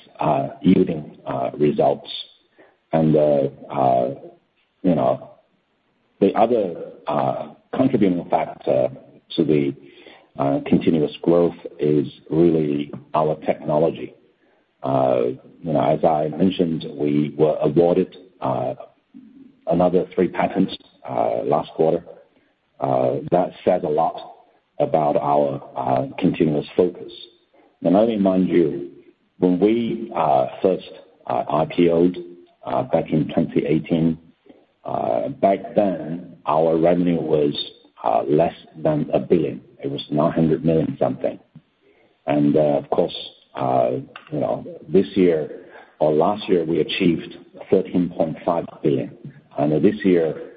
yielding results. And, you know, the other contributing factor to the continuous growth is really our technology. You know, as I mentioned, we were awarded another three patents last quarter. That says a lot about our continuous focus. Let me remind you, when we first IPO'd back in 2018, back then, our revenue was less than 1 billion. It was 900 million something. Of course, you know, this year or last year, we achieved 13.5 billion, and this year,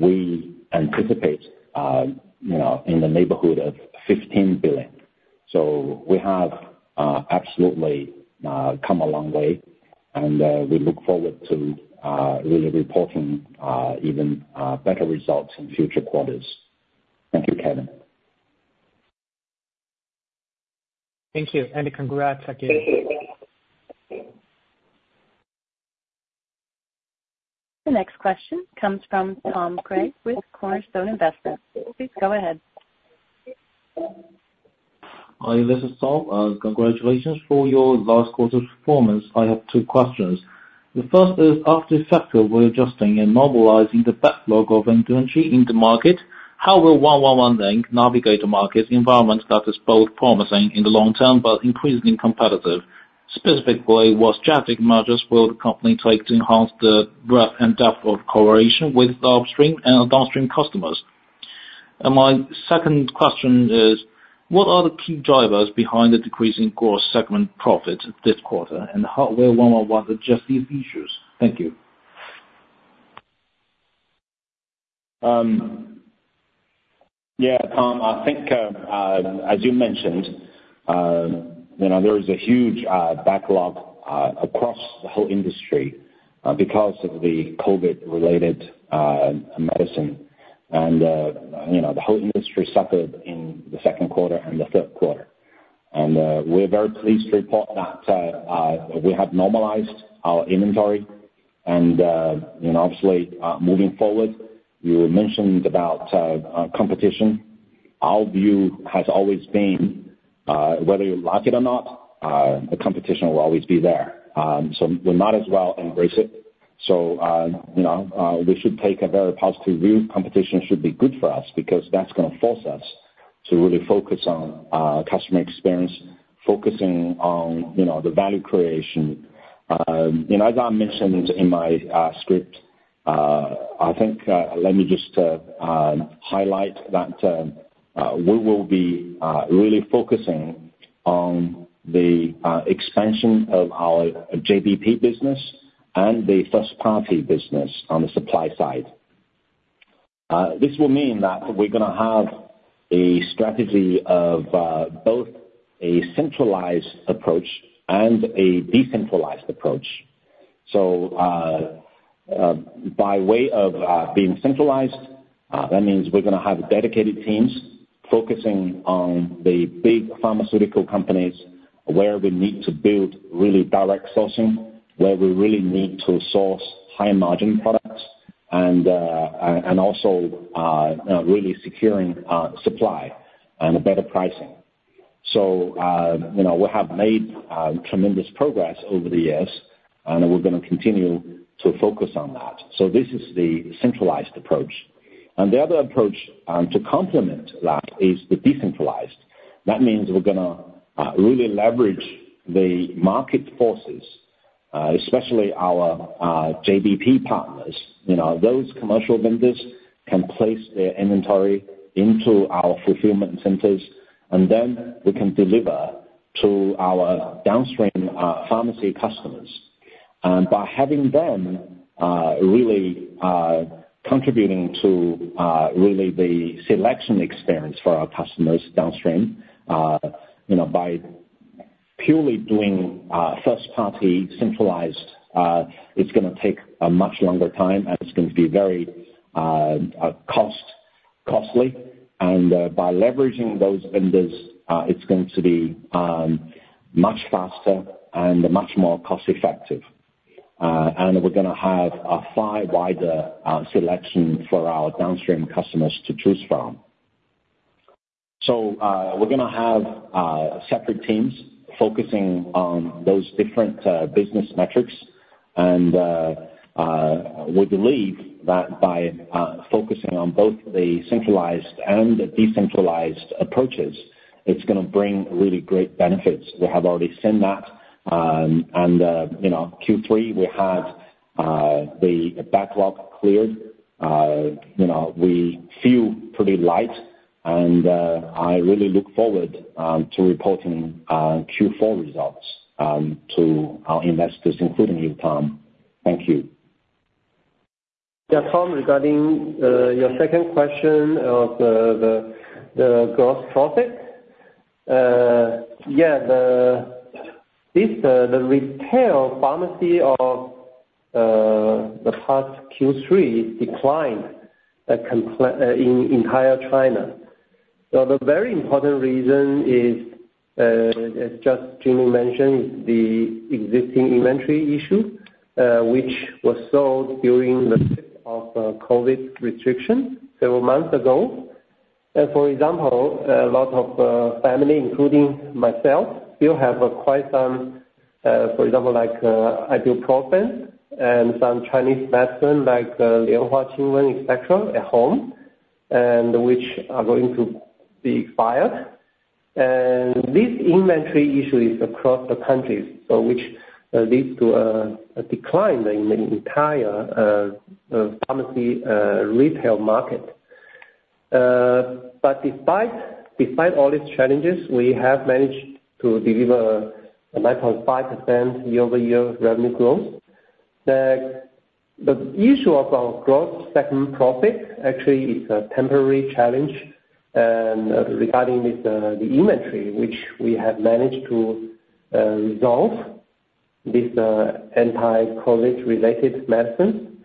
we anticipate, you know, in the neighborhood of 15 billion. So we have absolutely come a long way, and we look forward to really reporting even better results in future quarters. Thank you, Kevin.... Thank you, and congrats, again. The next question comes from Tom Craig with Cornerstone Investment. Please go ahead. Hi, this is Tom. Congratulations for your last quarter's performance. I have two questions. The first is, after effectively adjusting and normalizing the backlog of inventory in the market, how will 111, Inc. navigate the market environment that is both promising in the long term, but increasingly competitive? Specifically, what strategic measures will the company take to enhance the breadth and depth of cooperation with upstream and downstream customers? And my second question is: What are the key drivers behind the decreasing gross segment profit this quarter, and how will 111, Inc. adjust these issues? Thank you. Yeah, Tom, I think, as you mentioned, you know, there is a huge backlog across the whole industry because of the COVID-related medicine. And, you know, the whole industry suffered in the second quarter and the third quarter. And, we're very pleased to report that, we have normalized our inventory, and, you know, obviously, moving forward, you mentioned about, competition. Our view has always been, whether you like it or not, the competition will always be there. So we might as well embrace it. So, you know, we should take a very positive view. Competition should be good for us, because that's gonna force us to really focus on customer experience, focusing on, you know, the value creation. You know, as I mentioned in my script, I think, let me just highlight that, we will be really focusing on the expansion of our JBP business and the first-party business on the supply side. This will mean that we're gonna have a strategy of both a centralized approach and a decentralized approach. So, by way of being centralized, that means we're gonna have dedicated teams focusing on the big pharmaceutical companies, where we need to build really direct sourcing, where we really need to source high-margin products, and, and also really securing supply and better pricing. So, you know, we have made tremendous progress over the years, and we're gonna continue to focus on that. So this is the centralized approach. And the other approach to complement that is the decentralized. That means we're gonna really leverage the market forces, especially our JBP partners. You know, those commercial vendors can place their inventory into our fulfillment centers, and then we can deliver to our downstream pharmacy customers. And by having them really contributing to really the selection experience for our customers downstream, you know, by purely doing first party centralized, it's gonna take a much longer time, and it's gonna be very costly. And by leveraging those vendors, it's going to be much faster and much more cost-effective. And we're gonna have a far wider selection for our downstream customers to choose from. So, we're gonna have separate teams focusing on those different business metrics, and we believe that by focusing on both the centralized and the decentralized approaches, it's gonna bring really great benefits. We have already seen that, and you know, Q3, we had the backlog cleared. You know, we feel pretty light, and I really look forward to reporting Q4 results to our investors, including you, Tom. Thank you. Yeah, Tom, regarding your second question of the gross profit. Yeah, the retail pharmacy of the past Q3 declined completely in entire China. So the very important reason is, as just Jimmy mentioned, the existing inventory issue, which was sold during the peak of COVID restriction several months ago. For example, a lot of families, including myself, still have quite some, for example, like, ibuprofen and some Chinese medicine, like, Lianhua Qingwen, et cetera, at home, and which are going to be expired. And this inventory issue is across the country, so which leads to a decline in the entire pharmacy retail market. But despite all these challenges, we have managed to deliver a 9.5% year-over-year revenue growth. The issue of our growth segment profit actually is a temporary challenge, and regarding this, the inventory, which we have managed to resolve this anti-COVID related medicine.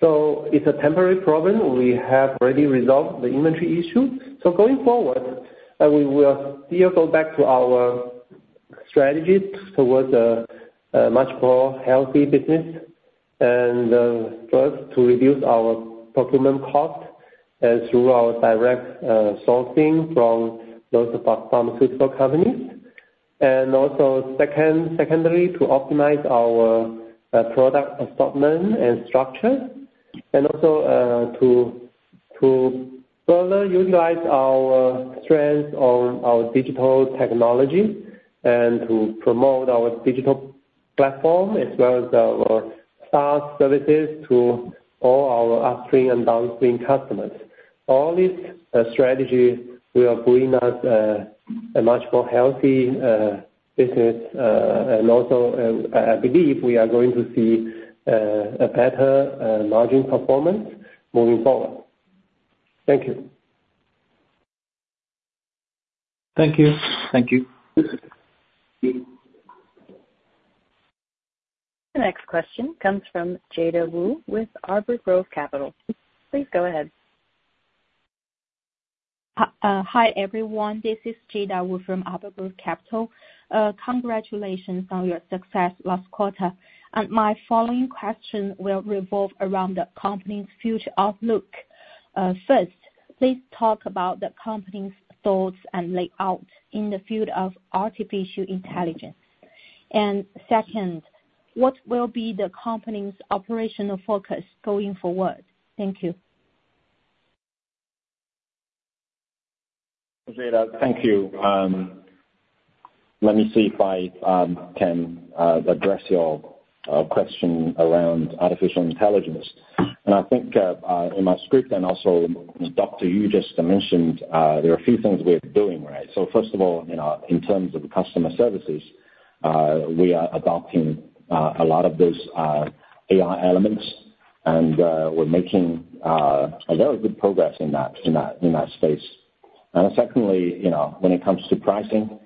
So it's a temporary problem. We have already resolved the inventory issue. So going forward, we will still go back to our strategy towards a much more healthy business, and first, to reduce our procurement cost through our direct sourcing from those pharmaceutical companies. And also secondarily, to optimize our product assortment and structure, and also to further utilize our strength on our digital technology and to promote our digital platform, as well as our SaaS services to all our upstream and downstream customers. All these strategy will bring us a much more healthy business. And also, I believe we are going to see a better margin performance moving forward. Thank you. Thank you. Thank you. The next question comes from Jada Wu with Arbor Growth Capital. Please go ahead. Hi, everyone. This is Jada Wu from Arbor Growth Capital. Congratulations on your success last quarter. My following question will revolve around the company's future outlook. First, please talk about the company's thoughts and layout in the field of artificial intelligence. Second, what will be the company's operational focus going forward? Thank you. Jada, thank you. Let me see if I can address your question around artificial intelligence. And I think in my script and also Dr. Yu just mentioned there are a few things we're doing, right? So first of all, you know, in terms of customer services we are adopting a lot of those AI elements, and we're making a very good progress in that space. And secondly, you know, when it comes to pricing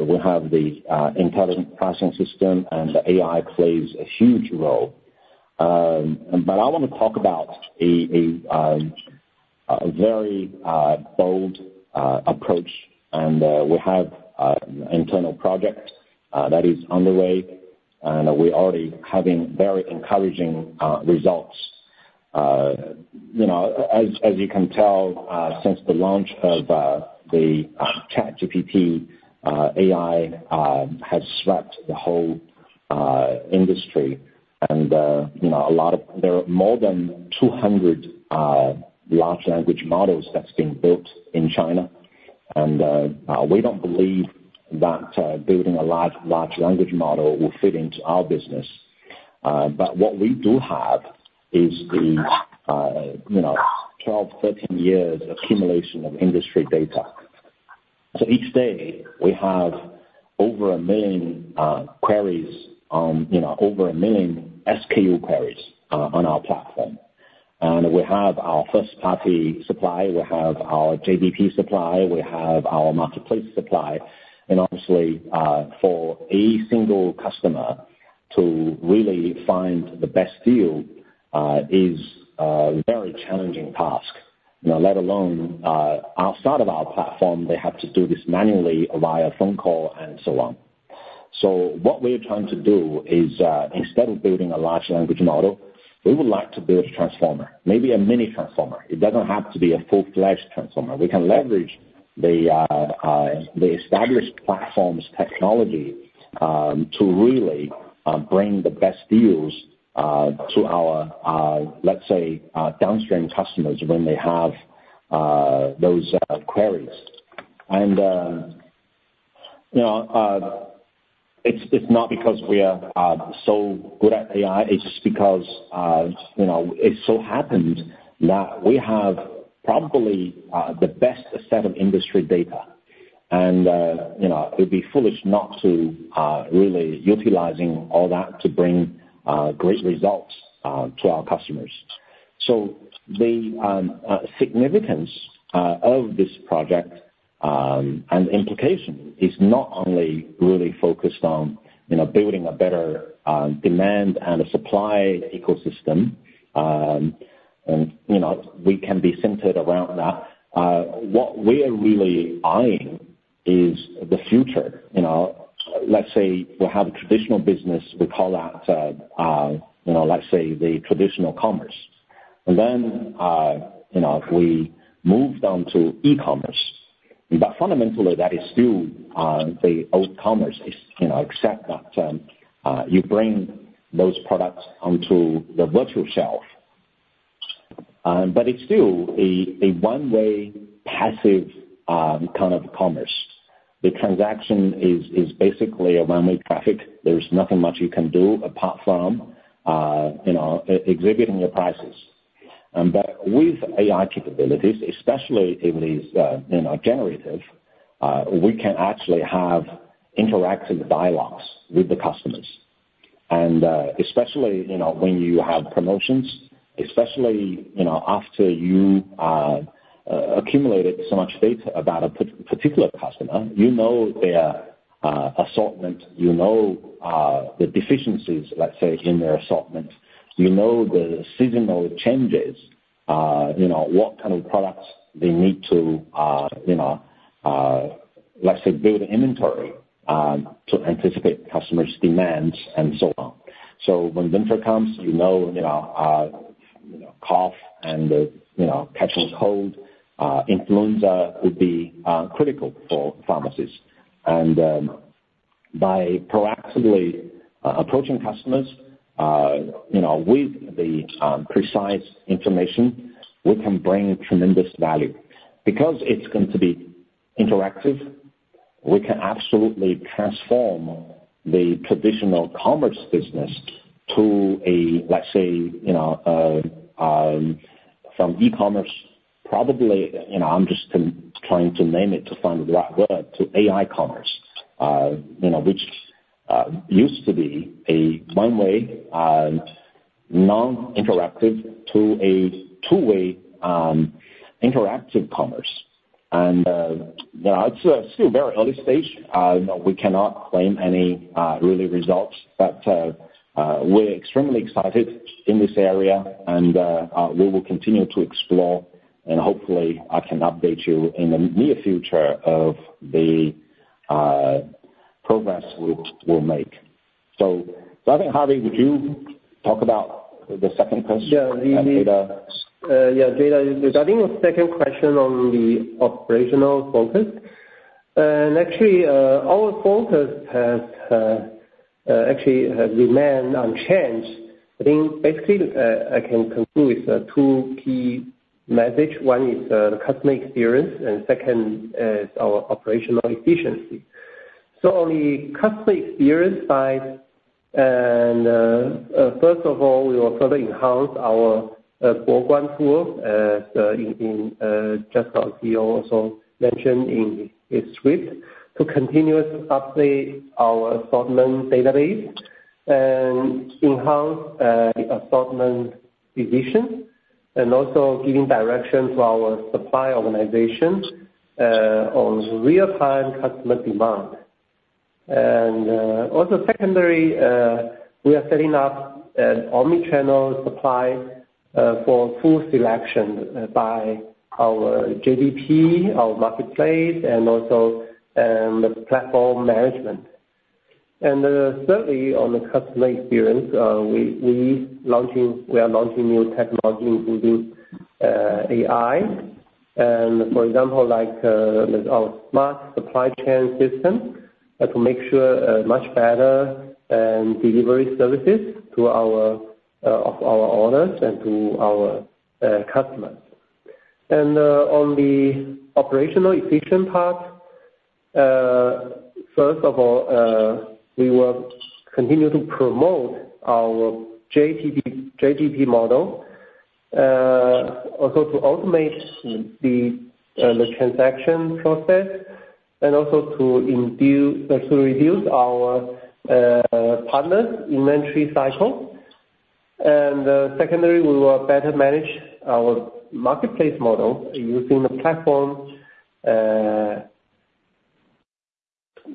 we have the intelligent pricing system, and the AI plays a huge role. But I wanna talk about a very bold approach, and we have internal project that is underway, and we're already having very encouraging results. You know, as you can tell, since the launch of the ChatGPT, AI has swept the whole industry, and you know, there are more than 200 large language models that's been built in China. And we don't believe that building a large language model will fit into our business. But what we do have is the 12, 13 years accumulation of industry data. So each day, we have over 1 million queries, you know, over 1 million SKU queries on our platform. And we have our first-party supply, we have our JBP supply, we have our marketplace supply. And obviously, for a single customer to really find the best deal is a very challenging task. You know, let alone, outside of our platform, they have to do this manually via phone call and so on. So what we're trying to do is, instead of building a large language model, we would like to build a transformer, maybe a mini transformer. It doesn't have to be a full-fledged transformer. We can leverage the established platforms technology, to really bring the best deals to our, let's say, downstream customers when they have those queries. And, you know, it's not because we are so good at AI, it's just because, you know, it so happened that we have probably the best set of industry data. And, you know, it would be foolish not to really utilizing all that to bring great results to our customers. So the significance of this project and the implication is not only really focused on, you know, building a better demand and a supply ecosystem, and, you know, we can be centered around that. What we are really eyeing is the future. You know, let's say we have a traditional business, we call that, you know, let's say, the traditional commerce. And then, you know, we moved on to e-commerce, but fundamentally that is still the old commerce, you know, except that you bring those products onto the virtual shelf. But it's still a one-way passive kind of commerce. The transaction is basically a one-way traffic. There's nothing much you can do apart from, you know, exhibiting your prices. But with AI capabilities, especially if it is, you know, generative, we can actually have interactive dialogues with the customers. And especially, you know, when you have promotions, especially, you know, after you accumulated so much data about a particular customer, you know their assortment, you know, the deficiencies, let's say, in their assortment. You know the seasonal changes, you know, what kind of products they need to, you know, let's say, build inventory to anticipate customers' demands and so on. So when winter comes, you know, you know, you know, cough and, you know, catching a cold, influenza would be critical for pharmacies. And by proactively approaching customers, you know, with the precise information, we can bring tremendous value. Because it's going to be interactive, we can absolutely transform the traditional commerce business to a, let's say, you know, from e-commerce, probably, you know, I'm just trying to name it to find the right word, to AI commerce. You know, which used to be a one-way non-interactive, to a two-way interactive commerce. And you know, it's still very early stage. You know, we cannot claim any really results, but we're extremely excited in this area, and we will continue to explore, and hopefully I can update you in the near future of the progress we'll make. So, I think, Harvey, would you talk about the second question? Yeah. Uh, data. Yeah, data. Regarding your second question on the operational focus, and actually, our focus has actually has remained unchanged. I think, basically, I can conclude with two key message. One is the customer experience, and second is our operational efficiency. So on the customer experience side, first of all, we will further enhance our Dynamic Catalog tool, just as CEO also mentioned in his script, to continuously update our assortment database and enhance assortment decision, and also giving direction to our supply organization on real-time customer demand. And also secondary, we are setting up an omni-channel supply for full selection by our JBP, our marketplace, and also the platform management. Certainly, on the customer experience, we are launching new technology, including AI, and for example, like, with our smart supply chain system, to make sure much better delivery services to our owners and to our customers. On the operational efficiency part, first of all, we will continue to promote our JBP model to automate the transaction process and also to reduce our partners' inventory cycle. Secondly, we will better manage our marketplace model using the platform,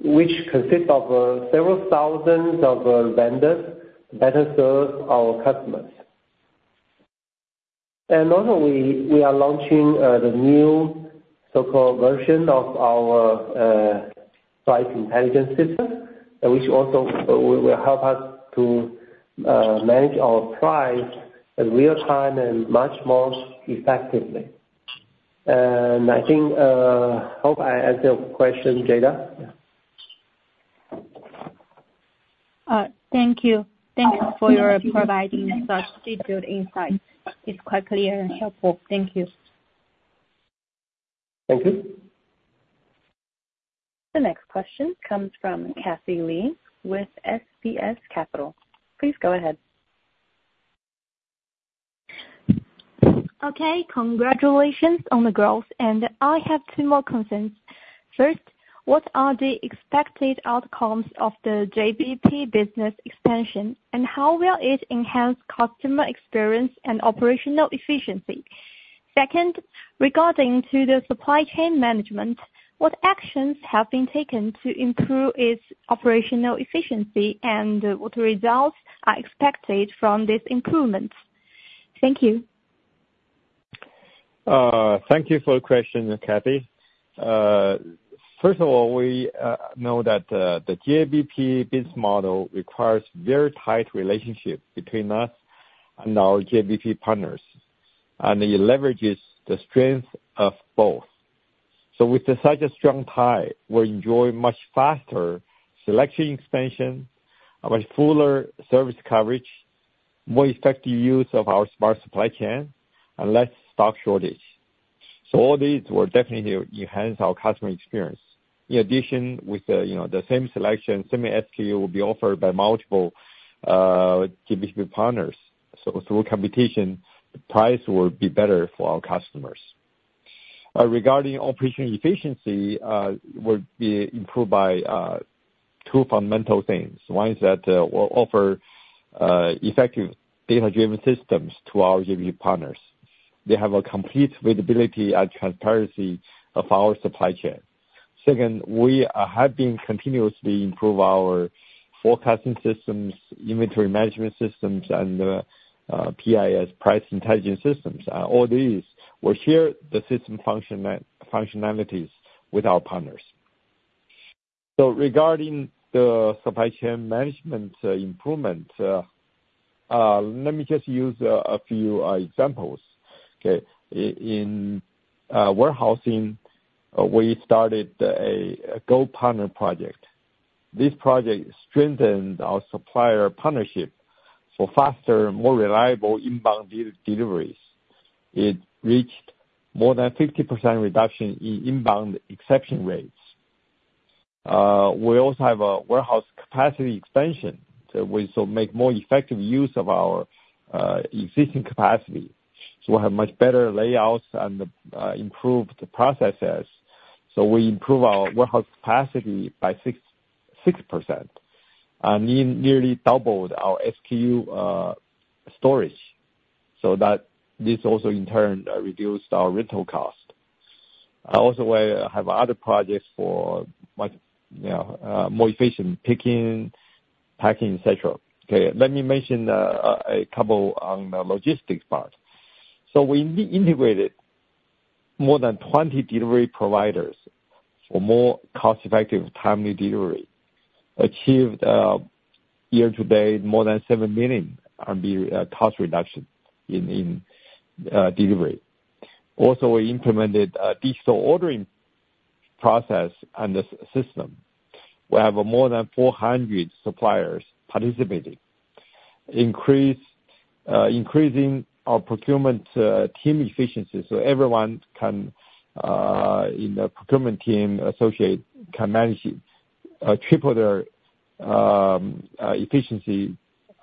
which consists of several thousand vendors that serve our customers. And also, we are launching the new so-called version of our Price Intelligence System, which also will help us to manage our price in real time and much more effectively. And I think hope I answered your question, Jada. Thank you. Thank you for your providing such detailed insight. It's quite clear and helpful. Thank you. Thank you. The next question comes from Cathy Li with SBS Capital. Please go ahead. Okay. Congratulations on the growth, and I have two more concerns. First, what are the expected outcomes of the JBP business expansion, and how will it enhance customer experience and operational efficiency? Second, regarding to the supply chain management, what actions have been taken to improve its operational efficiency, and what results are expected from this improvement? Thank you. Thank you for the question, Cathy. First of all, we know that the JBP business model requires very tight relationship between us and our JBP partners, and it leverages the strength of both. So with such a strong tie, we enjoy much faster selection expansion, a much fuller service coverage, more effective use of our smart supply chain, and less stock shortage. So all these will definitely enhance our customer experience. In addition, with the, you know, the same selection, same SKU will be offered by multiple JBP partners. So through competition, the price will be better for our customers. Regarding operational efficiency, will be improved by two fundamental things. One is that, we'll offer effective data-driven systems to our JBP partners. ... they have a complete visibility and transparency of our supply chain. Second, we have been continuously improve our forecasting systems, inventory management systems, and PIS, price intelligence systems. All these, we share the system functionalities with our partners. So regarding the supply chain management, improvement, let me just use a few examples. Okay. In warehousing, we started a gold partner project. This project strengthened our supplier partnership for faster, more reliable inbound deliveries. It reached more than 50% reduction in inbound exception rates. We also have a warehouse capacity expansion to make more effective use of our existing capacity. So we have much better layouts and, improved processes, so we improve our warehouse capacity by 6.6%, nearly doubled our SKU, storage, so that this also in turn reduced our rental cost. I also, have other projects for much, you know, more efficient picking, packing, et cetera. Okay, let me mention a couple on the logistics part. So we integrated more than 20 delivery providers for more cost-effective, timely delivery. Achieved, year-to-date more than 7 million RMB cost reduction in delivery. Also, we implemented a digital ordering process and the system, where have more than 400 suppliers participating. Increase, increasing our procurement, team efficiency, so everyone can, in the procurement team associate can manage it, triple their, efficiency.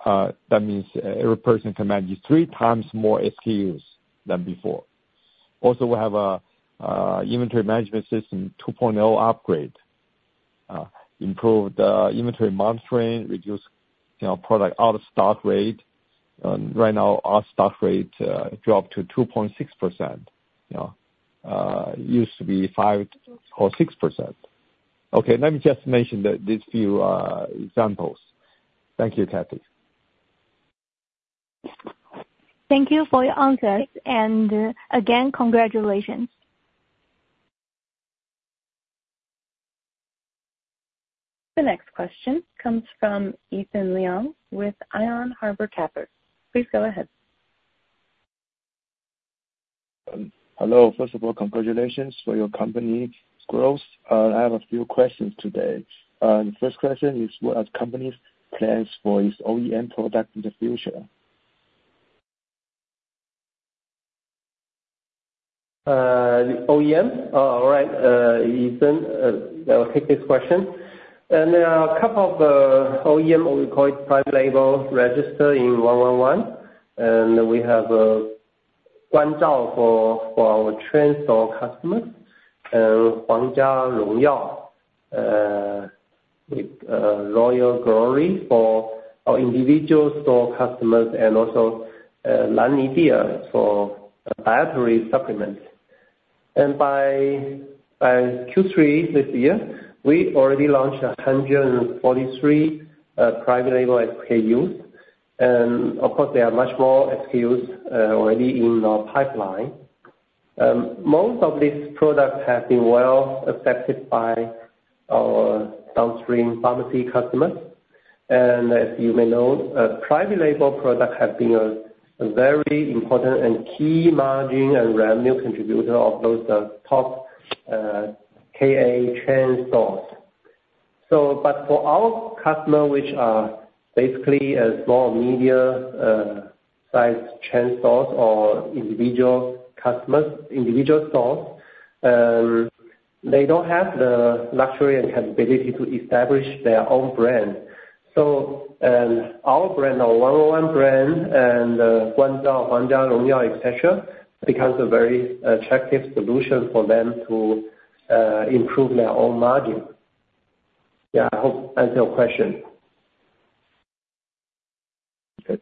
That means every person can manage three times more SKUs than before. Also, we have a inventory management system, 2.0 upgrade. Improved inventory monitoring, reduced, you know, product out-of-stock rate. Right now, our stock rate dropped to 2.6%, you know. It used to be 5% or 6%. Okay, let me just mention these few examples. Thank you, Cathy. Thank you for your answers, and, again, congratulations. The next question comes from Ethan Ling with Iron Harbor Capital. Please go ahead. Hello. First of all, congratulations for your company's growth. I have a few questions today. First question is, what are company's plans for its OEM product in the future? OEM? All right. Ethan, I'll take this question. And there are a couple of OEM, what we call it, private label, registered in 111, and we have one JBP for our 1 Drugstore customers, with Royal Glory for our individual store customers and also Lanidia for dietary supplements. And by Q3 this year, we already launched 143 private label SKUs. And of course, there are much more SKUs already in our pipeline. Most of these products have been well accepted by our downstream pharmacy customers. And as you may know, a private label product has been a very important and key margin and revenue contributor of those top KA chain stores. But for our customers, which are basically a small or medium size chain stores or individual customers, individual stores, they don't have the luxury and capability to establish their own brand. So, our brand, our 111 brand and Guanzhao, Huangjia, Royal, et cetera, becomes a very attractive solution for them to improve their own margin. Yeah, I hope answered your question.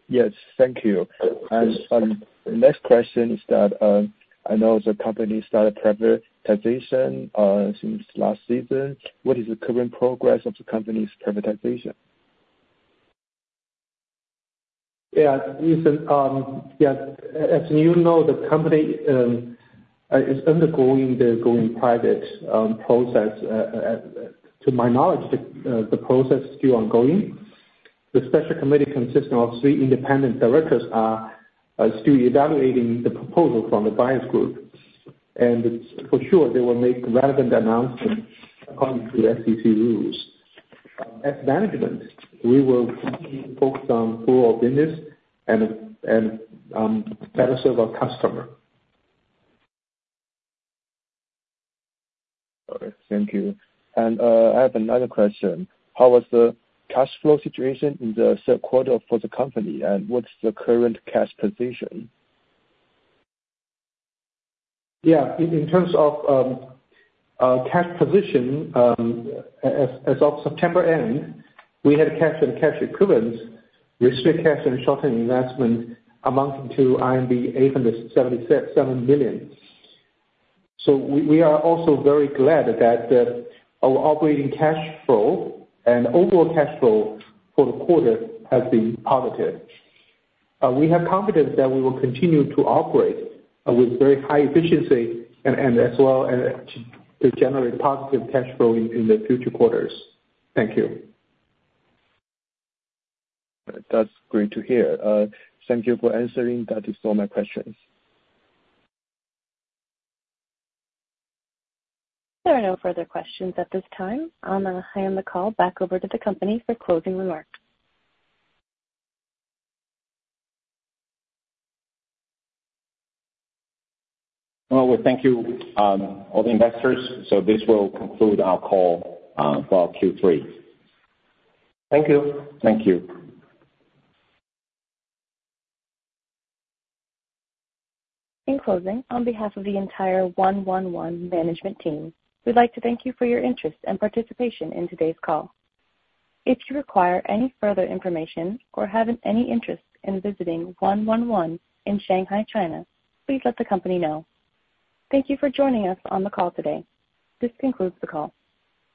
Yes, thank you. And, the next question is that, I know the company started privatization since last season. What is the current progress of the company's privatization? Yeah. Ethan, yeah, as you know, the company is undergoing the going private process. To my knowledge, the process is still ongoing. The special committee, consisting of three independent directors, are still evaluating the proposal from the buyers group. And it's for sure they will make relevant announcement according to the SEC rules. As management, we will continue to focus on core business and better serve our customer. All right. Thank you. And, I have another question: How was the cash flow situation in the third quarter for the company, and what's the current cash position? Yeah. In terms of cash position, as of September end, we had cash and cash equivalents, restricted cash and short-term investment, amounting to 877 million. So we are also very glad that our operating cash flow and overall cash flow for the quarter has been positive. We have confidence that we will continue to operate with very high efficiency and as well as to generate positive cash flow in the future quarters. Thank you. That's great to hear. Thank you for answering. That is all my questions. There are no further questions at this time. I'm gonna hand the call back over to the company for closing remarks. Well, we thank you, all the investors. So this will conclude our call for our Q3. Thank you. Thank you. In closing, on behalf of the entire 111 management team, we'd like to thank you for your interest and participation in today's call. If you require any further information or have any interest in visiting 111 in Shanghai, China, please let the company know. Thank you for joining us on the call today. This concludes the call.